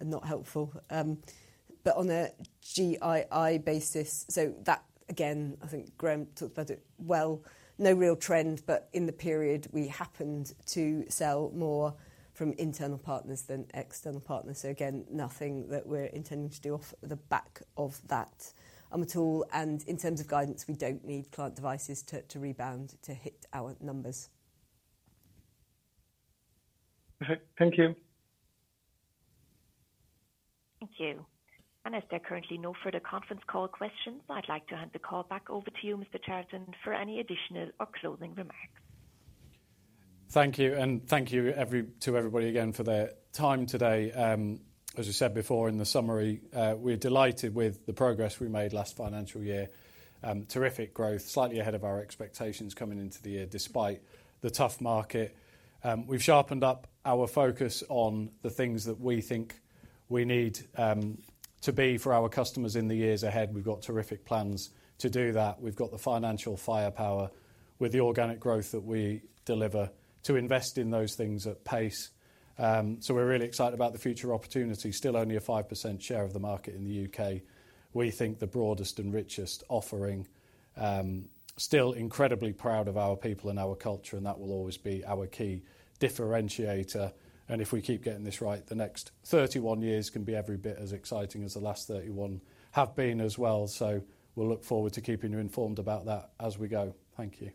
not helpful. But on a GII basis, so that, again, I think Graham talked about it well, no real trend, but in the period, we happened to sell more from internal partners than external partners. So again, nothing that we're intending to do off the back of that at all. And in terms of guidance, we don't need client devices to rebound to hit our numbers. Perfect. Thank you. Thank you. And as there are currently no further conference call questions, I'd like to hand the call back over to you, Mr. Charlton, for any additional or closing remarks. Thank you, and thank you to everybody again for their time today. As I said before in the summary, we're delighted with the progress we made last financial year. Terrific growth, slightly ahead of our expectations coming into the year, despite the tough market. We've sharpened up our focus on the things that we think we need to be for our customers in the years ahead. We've got terrific plans to do that. We've got the financial firepower with the organic growth that we deliver to invest in those things at pace, so we're really excited about the future opportunity. Still only a 5% share of the market in the UK. We think the broadest and richest offering, still incredibly proud of our people and our culture, and that will always be our key differentiator. And if we keep getting this right, the next thirty-one years can be every bit as exciting as the last thirty-one have been as well. So we'll look forward to keeping you informed about that as we go. Thank you.